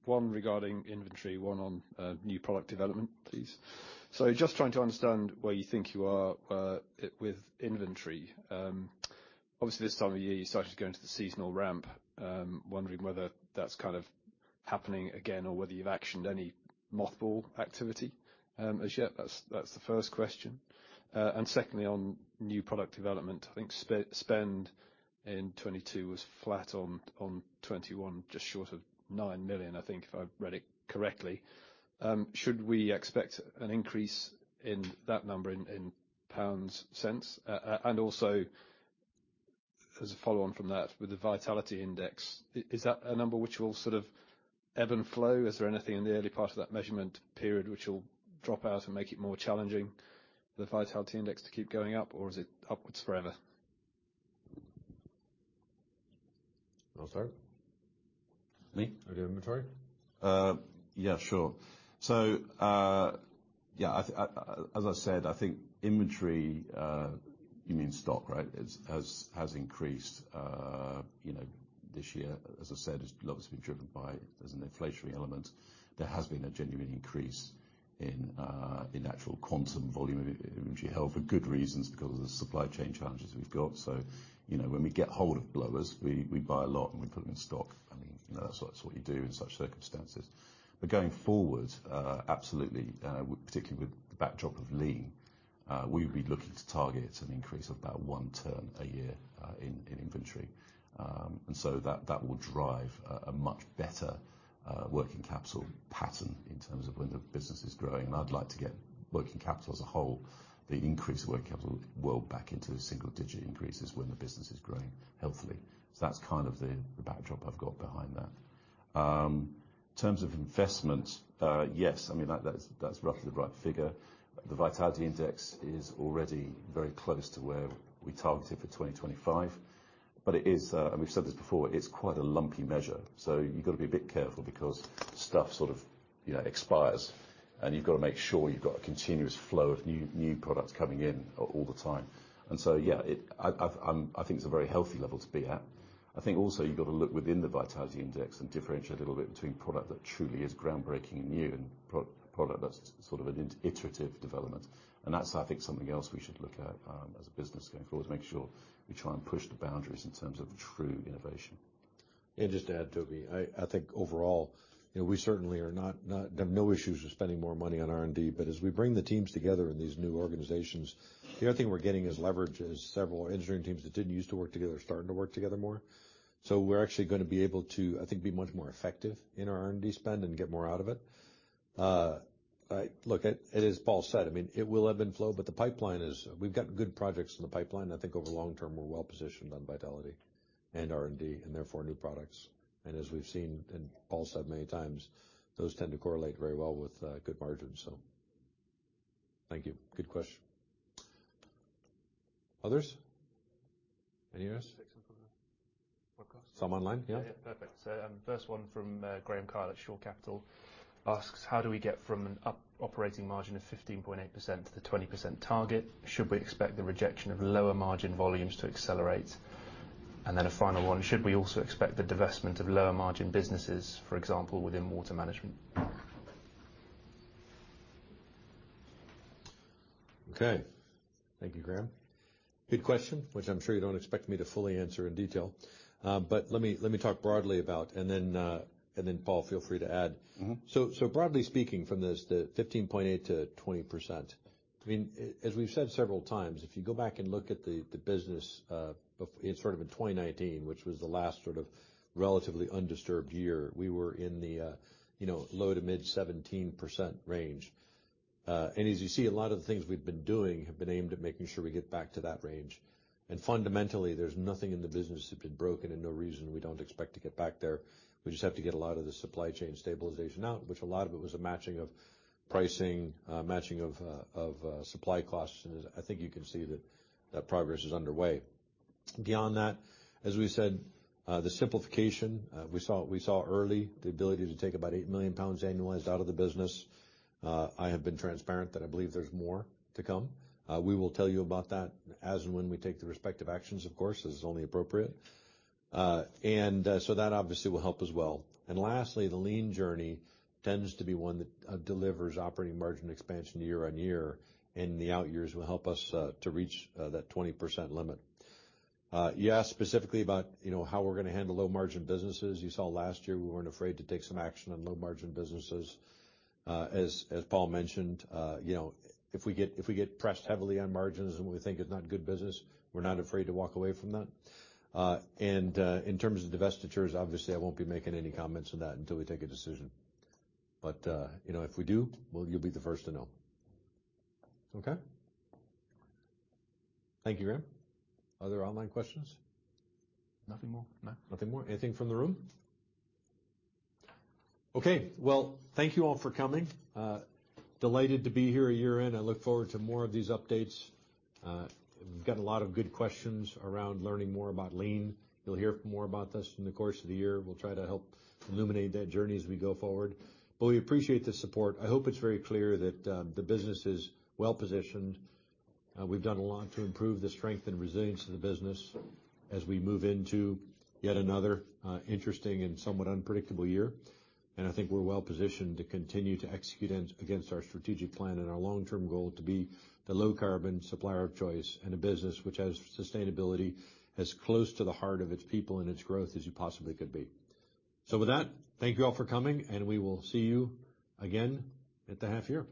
One regarding inventory, one on new product development, please. Just trying to understand where you think you are with inventory. Obviously this time of year, you started to go into the seasonal ramp, wondering whether that's kind of happening again or whether you've actioned any mothball activity as yet. That's the first question. Secondly, on new product development, I think spend in 2022 was flat on 2021, just short of 9 million, I think, if I read it correctly. Should we expect an increase in that number in pound sense? Also as a follow on from that with the Vitality Index, is that a number which will sort of ebb and flow? Is there anything in the early part of that measurement period which will drop out and make it more challenging for the Vitality Index to keep going up, or is it upwards forever? Well, sorry. Me? Your inventory. Yeah, sure. Yeah, I, as I said, I think inventory, you mean stock, right? Is has increased, you know, this year. As I said, it's largely been driven by as an inflationary element. There has been a genuine increase in actual quantum volume of inventory held for good reasons because of the supply chain challenges we've got. You know, when we get hold of blowers, we buy a lot and we put them in stock. I mean, you know, that's what you do in such circumstances. Going forward, absolutely, particularly with the backdrop of lean, we would be looking to target an increase of about one term a year, in inventory. That will drive a much better working capital pattern in terms of when the business is growing. I'd like to get working capital as a whole, the increased working capital world back into single-digit increases when the business is growing healthily. That's kind of the backdrop I've got behind that. In terms of investment, yes, I mean, that's roughly the right figure. The Vitality Index is already very close to where we targeted for 2025, but it is, and we've said this before, it's quite a lumpy measure. You've got to be a bit careful because stuff, you know, expires, and you've gotta make sure you've got a continuous flow of new products coming in all the time. Yeah, I think it's a very healthy level to be at. I think also you've gotta look within the Vitality Index and differentiate a little bit between product that truly is groundbreaking and new and product that's sort of an iterative development. That's, I think, something else we should look at as a business going forward to make sure we try and push the boundaries in terms of true innovation. Just to add, Toby, I think overall, you know, we certainly are not. There are no issues with spending more money on R&D. As we bring the teams together in these new organizations, the other thing we're getting is leverage as several engineering teams that didn't use to work together are starting to work together more. We're actually gonna be able to, I think, be much more effective in our R&D spend and get more out of it. look, as Paul said, I mean, it will ebb and flow, but the pipeline is. We've got good projects in the pipeline. I think over the long term, we're well-positioned on Vitality and R&D and therefore new products. As we've seen, and Paul said many times, those tend to correlate very well with good margins, so thank you. Good question. Others? Any others? Take some from the webcast. Some online, yeah. Yeah, perfect. First one from Graeme Kyle at Shore Capital asks, "How do we get from an operating margin of 15.8% to the 20% target? Should we expect the rejection of lower margin volumes to accelerate?" A final one: "Should we also expect the divestment of lower margin businesses, for example, within Water Management? Okay. Thank you, Graeme. Good question, which I'm sure you don't expect me to fully answer in detail. Let me talk broadly about and then, Paul, feel free to add. Mm-hmm. Broadly speaking, from this, the 15.8%-20%, I mean, as we've said several times, if you go back and look at the business in sort of in 2019, which was the last sort of relatively undisturbed year, we were in the, you know, low to mid-17% range. As you see, a lot of the things we've been doing have been aimed at making sure we get back to that range. Fundamentally, there's nothing in the business that had broken and no reason we don't expect to get back there. We just have to get a lot of the supply chain stabilization out, which a lot of it was a matching of pricing, matching of supply costs. I think you can see that that progress is underway. Beyond that, as we said, the simplification, we saw early the ability to take about 8 million pounds annualized out of the business. I have been transparent that I believe there's more to come. We will tell you about that as and when we take the respective actions, of course, as is only appropriate. So that obviously will help as well. Lastly, the Lean journey tends to be one that delivers operating margin expansion year on year, and the out years will help us to reach that 20% limit. You asked specifically about, you know, how we're gonna handle low margin businesses. You saw last year we weren't afraid to take some action on low margin businesses. As Paul mentioned, you know, if we get pressed heavily on margins and we think it's not good business, we're not afraid to walk away from that. In terms of divestitures, obviously I won't be making any comments on that until we take a decision. You know, if we do, well, you'll be the first to know. Okay? Thank you, Graeme. Other online questions? Nothing more, no. Nothing more? Anything from the room? Okay. Well, thank you all for coming. Delighted to be here a year in. I look forward to more of these updates. We've got a lot of good questions around learning more about Lean. You'll hear more about this in the course of the year. We'll try to help illuminate that journey as we go forward. We appreciate the support. I hope it's very clear that the business is well-positioned. We've done a lot to improve the strength and resilience of the business as we move into yet another interesting and somewhat unpredictable year. I think we're well-positioned to continue to execute against our strategic plan and our long-term goal to be the low carbon supplier of choice and a business which has sustainability as close to the heart of its people and its growth as you possibly could be. With that, thank you all for coming, and we will see you again at the half year.